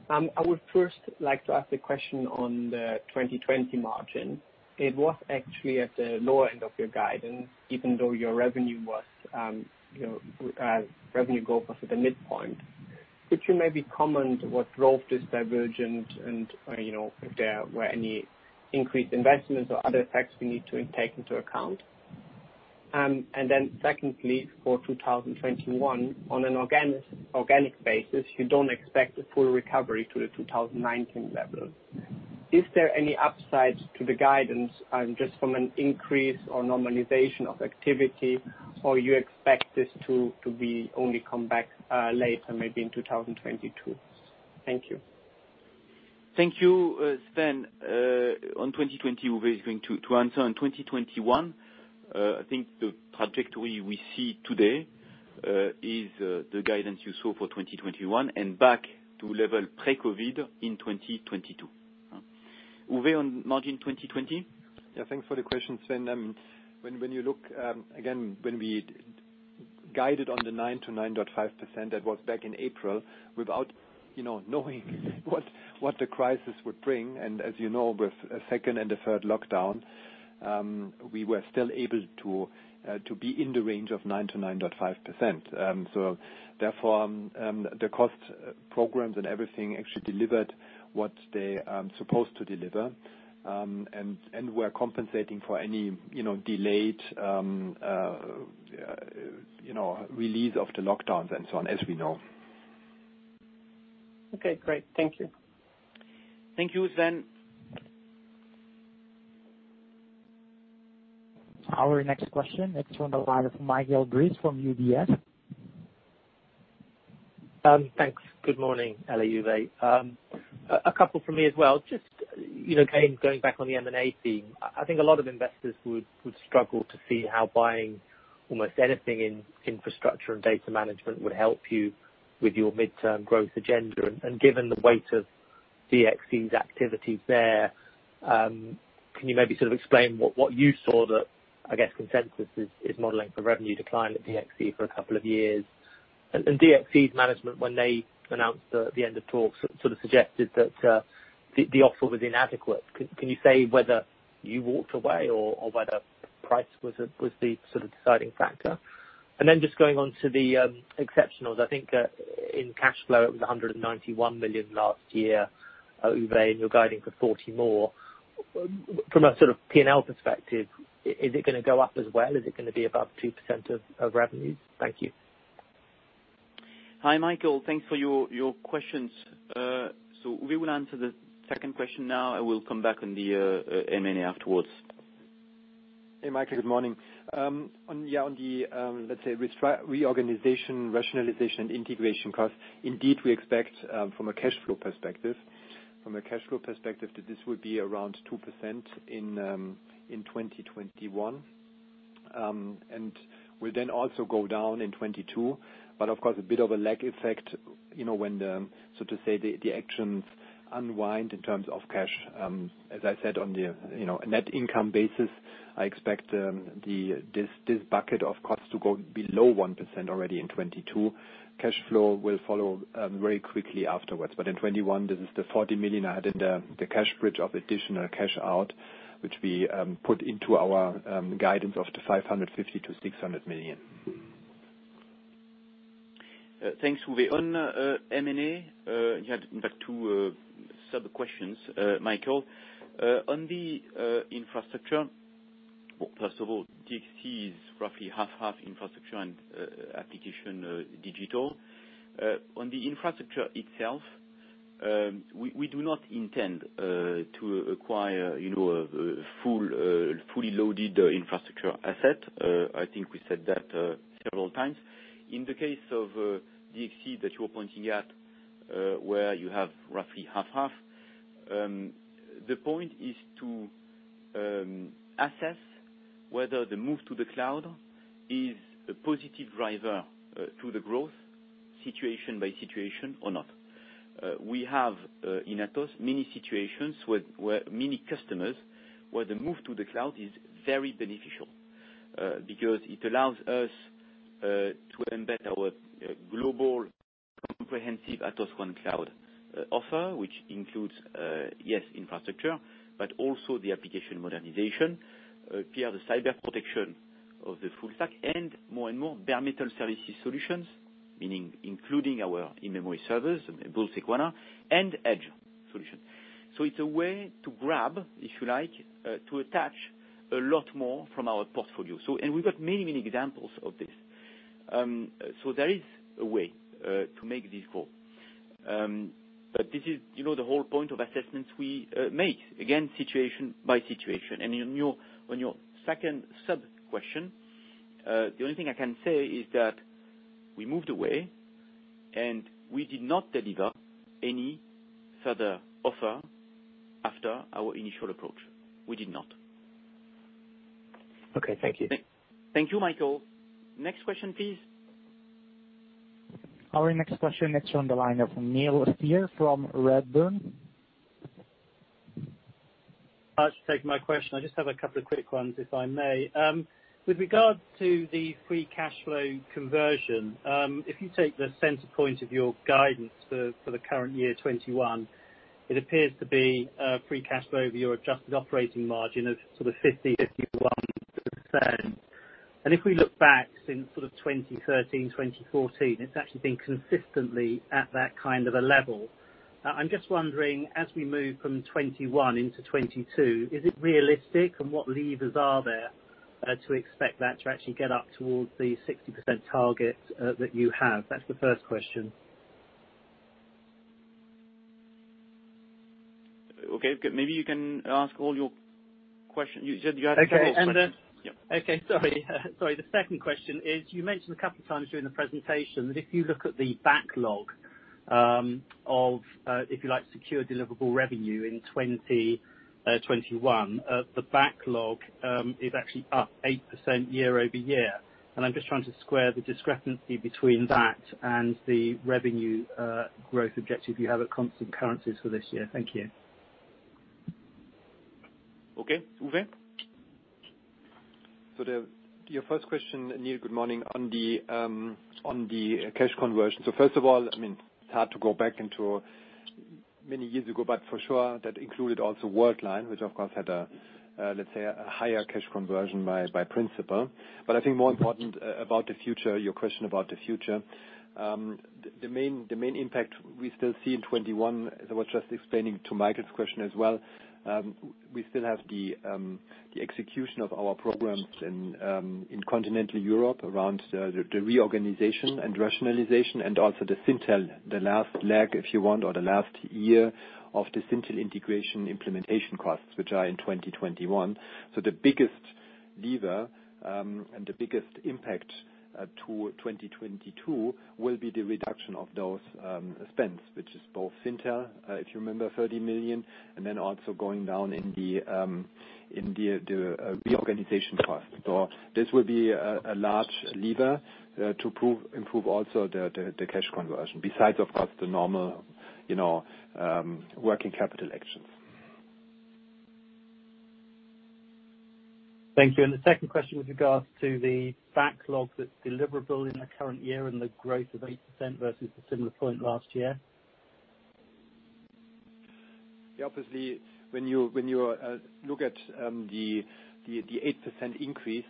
I would first like to ask a question on the 2020 margin. It was actually at the lower end of your guidance, even though your revenue was, you know, revenue goal was at the midpoint. Could you maybe comment what drove this divergence? You know, if there were any increased investments or other effects we need to take into account?... and then secondly, for 2021, on an organic basis, you don't expect a full recovery to the 2019 level. Is there any upside to the guidance, just from an increase or normalization of activity, or you expect this to be only come back later, maybe in 2022? Thank you. Thank you, Sven. On 2020, Uwe is going to answer. On 2021, I think the trajectory we see today is the guidance you saw for 2021, and back to level pre-COVID in 2022. Uwe, on margin 2020? Yeah, thanks for the question, Sven. When you look, again, when we guided on the 9%-9.5%, that was back in April, without you know knowing what the crisis would bring, and as you know, with a second and a third lockdown, we were still able to be in the range of 9%-9.5%. So therefore, the cost programs and everything actually delivered what they supposed to deliver. And we're compensating for any you know delayed you know release of the lockdowns, and so on, as we know. Okay, great. Thank you. Thank you, Sven. Our next question, next on the line is Michael Briest from UBS. Thanks. Good morning, Elie, Uwe. A couple from me as well. Just, you know, again, going back on the M&A theme, I think a lot of investors would struggle to see how buying almost anything in infrastructure and data management would help you with your midterm growth agenda. And given the weight of DXC's activities there, can you maybe sort of explain what you saw that, I guess, consensus is modeling for revenue decline at DXC for a couple of years? And DXC's management, when they announced the end of talks, sort of suggested that the offer was inadequate. Can you say whether you walked away or whether price was the sort of deciding factor? And then just going on to the exceptionals, I think, in cash flow, it was 191 million last year, Uwe, and you're guiding for 40 million more. From a sort of P&L perspective, is it gonna go up as well? Is it gonna be above 2% of revenues? Thank you. Hi, Michael. Thanks for your questions. So we will answer the second question now. I will come back on the M&A afterwards. Hey, Michael, good morning. On, yeah, on the, let's say, reorganization, rationalization, and integration cost, indeed, we expect, from a cash flow perspective, that this would be around 2% in 2021, and will then also go down in 2022. But of course, a bit of a lag effect, you know, when the, so to say, the actions unwind in terms of cash. As I said, on the, you know, net income basis, I expect, this bucket of costs to go below 1% already in 2022. Cash flow will follow very quickly afterwards. But in 2021, this is the 40 million I had in the cash bridge of additional cash out, which we put into our guidance of the 550 million-600 million. Thanks, Uwe. On M&A, you had in fact two sub-questions, Michael. On the infrastructure, well, first of all, DXC is roughly half half infrastructure and application digital. On the infrastructure itself, we do not intend to acquire, you know, a fully loaded infrastructure asset. I think we said that several times. In the case of DXC that you're pointing at, where you have roughly half half, the point is to assess whether the move to the cloud is a positive driver to the growth, situation by situation, or not. We have in Atos many situations where many customers, where the move to the cloud is very beneficial, because it allows us to embed our global, comprehensive Atos Cloud offer, which includes yes, infrastructure, but also the application modernization via the cyber protection of the full stack, and more and more bare metal services solutions, meaning including our in-memory servers, BullSequana, and Edge solution. So it's a way to grab, if you like, to attach a lot more from our portfolio. So... and we've got many, many examples of this. There is a way to make this call, but this is, you know, the whole point of assessments we make, again, situation by situation. On your second sub-question, the only thing I can say is that we moved away, and we did not deliver any further offer after our initial approach. We did not. Okay, thank you. Thank you, Michael. Next question, please. Our next question, next on the line of Neil Steer from Redburn. Thanks for taking my question. I just have a couple of quick ones, if I may. With regards to the free cash flow conversion, if you take the center point of your guidance for the current year, 2021, it appears to be free cash flow over your adjusted operating margin of sort of 50%-51%. And if we look back since sort of 2013, 2014, it's actually been consistently at that kind of a level.... I'm just wondering, as we move from 2021 into 2022, is it realistic? And what levers are there to expect that to actually get up towards the 60% target that you have? That's the first question. Okay, good. Maybe you can ask all your questions. You said you had several questions. Okay, and then- Yeah. Okay, sorry. Sorry, the second question is, you mentioned a couple of times during the presentation that if you look at the backlog of, if you like, secure deliverable revenue in 2021, the backlog is actually up 8% year-over-year. And I'm just trying to square the discrepancy between that and the revenue growth objective you have at constant currencies for this year. Thank you. Okay, Uwe? So your first question, Neil, good morning, on the cash conversion. So first of all, I mean, it's hard to go back into many years ago, but for sure, that included also Worldline, which, of course, had a, let's say, a higher cash conversion by principle. But I think more important about the future, your question about the future, the main impact we still see in 2021, as I was just explaining to Michael's question as well, we still have the execution of our programs in continental Europe, around the reorganization and rationalization, and also the Syntel, the last leg, if you want, or the last year of the Syntel integration implementation costs, which are in 2021. The biggest lever and the biggest impact to 2022 will be the reduction of those spends, which is both Syntel, if you remember, 30 million, and then also going down in the reorganization cost. This will be a large lever to improve also the cash conversion, besides, of course, the normal, you know, working capital actions. Thank you. And the second question with regards to the backlog that's deliverable in the current year and the growth of 8% versus the similar point last year. Yeah, obviously, when you look at the 8% increase,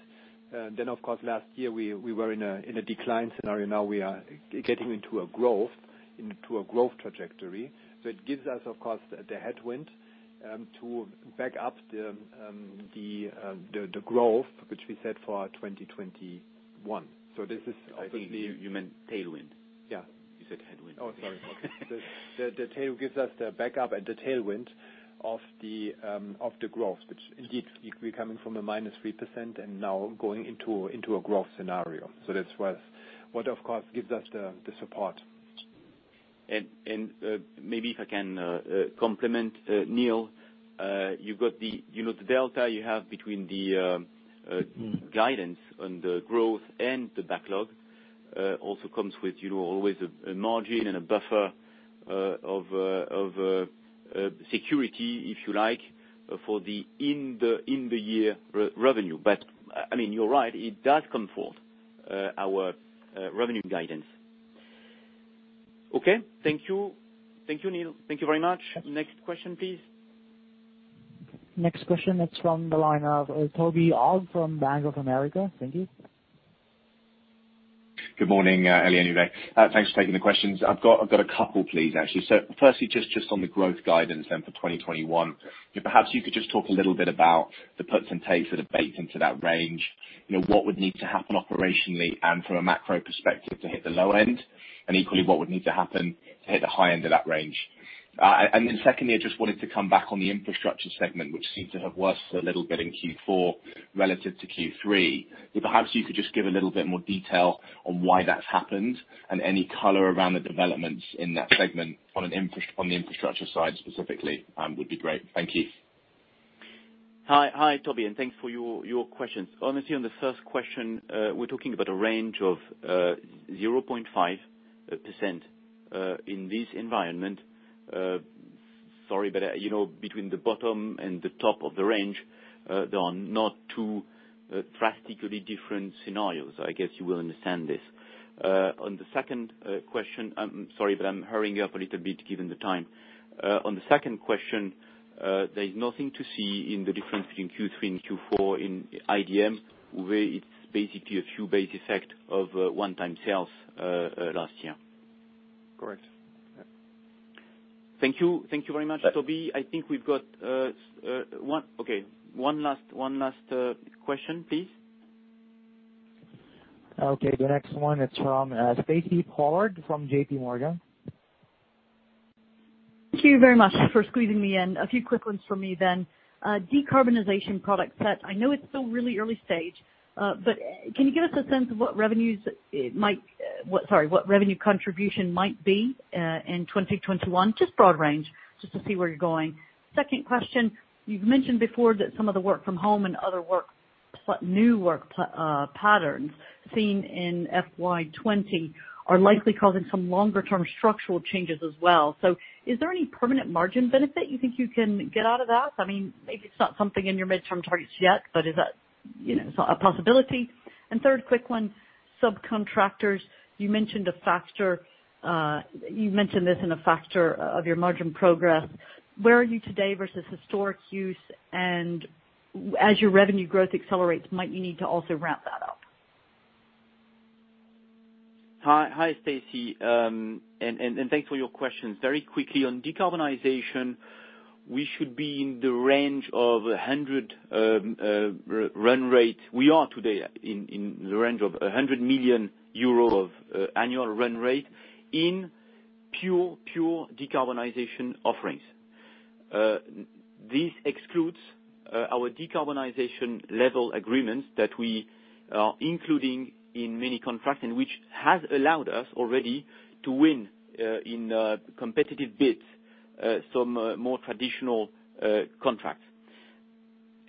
then, of course, last year we were in a decline scenario. Now, we are getting into a growth trajectory. So it gives us, of course, the headwind to back up the growth which we set for 2021. So this is obviously- I think you meant tailwind. Yeah. You said headwind. Oh, sorry. Okay. The tail gives us the backup and the tailwind of the growth, which indeed, we're coming from a minus 3% and now going into a growth scenario. So that's what, of course, gives us the support. Maybe if I can complement Neil, you've got the, you know, the delta you have between the guidance on the growth and the backlog, also comes with, you know, always a margin and a buffer of security, if you like, for the in-year revenue. But, I mean, you're right, it does comfort our revenue guidance. Okay? Thank you. Thank you, Neil. Thank you very much. Next question, please. Next question is from the line of Toby Ogg from Bank of America. Thank you. Good morning, Elie, Uwe. Thanks for taking the questions. I've got a couple, please, actually. So firstly, just on the growth guidance then for 2021, perhaps you could just talk a little bit about the puts and takes that have baked into that range. You know, what would need to happen operationally and from a macro perspective to hit the low end, and equally, what would need to happen to hit the high end of that range? And then secondly, I just wanted to come back on the infrastructure segment, which seemed to have worsened a little bit in Q4 relative to Q3. So perhaps you could just give a little bit more detail on why that's happened, and any color around the developments in that segment on the infrastructure side specifically, would be great. Thank you. Hi. Hi, Toby, and thanks for your questions. Honestly, on the first question, we're talking about a range of 0.5% in this environment. Sorry, but you know, between the bottom and the top of the range, there are not two drastically different scenarios. I guess you will understand this. On the second question, I'm sorry that I'm hurrying up a little bit, given the time. On the second question, there is nothing to see in the difference between Q3 and Q4 in IDM, where it's basically a few basic effect of one-time sales last year. Correct. Yeah. Thank you. Thank you very much, Toby. I think we've got one last question, please. Okay, the next one is from Stacy Pollard, from J.P. Morgan. Thank you very much for squeezing me in. A few quick ones for me then. Decarbonization product set, I know it's still really early stage, but can you give us a sense of what revenues it might, what-- Sorry, what revenue contribution might be, in 2021? Just broad range, just to see where you're going. Second question, you've mentioned before that some of the work from home and other work, new work patterns seen in FY 2020, are likely causing some longer-term structural changes as well. So is there any permanent margin benefit you think you can get out of that? I mean, maybe it's not something in your midterm targets yet, but is that, you know, a possibility? And third quick one, subcontractors, you mentioned a factor, you mentioned this in a factor of your margin progress. Where are you today versus historic use? And as your revenue growth accelerates, might you need to also ramp that up?... Hi, hi, Stacy, and thanks for your questions. Very quickly on decarbonization, we should be in the range of 100 run rate. We are today in the range of 100 million euro of annual run rate in pure decarbonization offerings. This excludes our Decarbonization Level Agreements that we are including in many contracts, and which has allowed us already to win in competitive bids some more traditional contracts.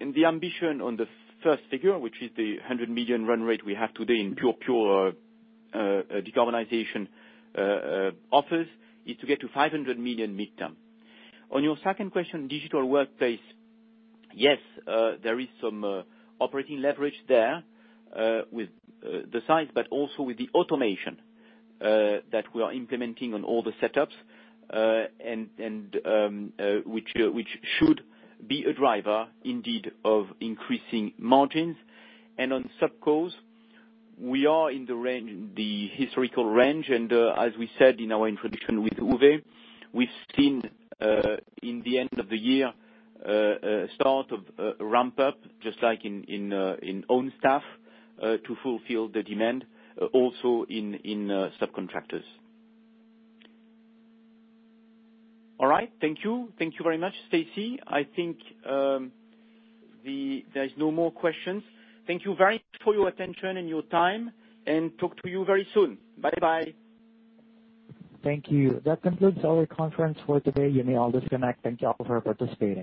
The ambition on the first figure, which is the 100 million run rate we have today in pure decarbonization offers, is to get to 500 million midterm. On your second question, digital workplace, yes, there is some operating leverage there, with the size, but also with the automation that we are implementing on all the setups, and which should be a driver indeed of increasing margins. And on subcos, we are in the range, the historical range, and, as we said in our introduction with Uwe, we've seen in the end of the year a start of ramp up, just like in own staff, to fulfill the demand, also in subcontractors. All right. Thank you. Thank you very much, Stacy. I think there's no more questions. Thank you very much for your attention and your time, and talk to you very soon. Bye-bye. Thank you. That concludes our conference for today. You may all disconnect. Thank you all for participating.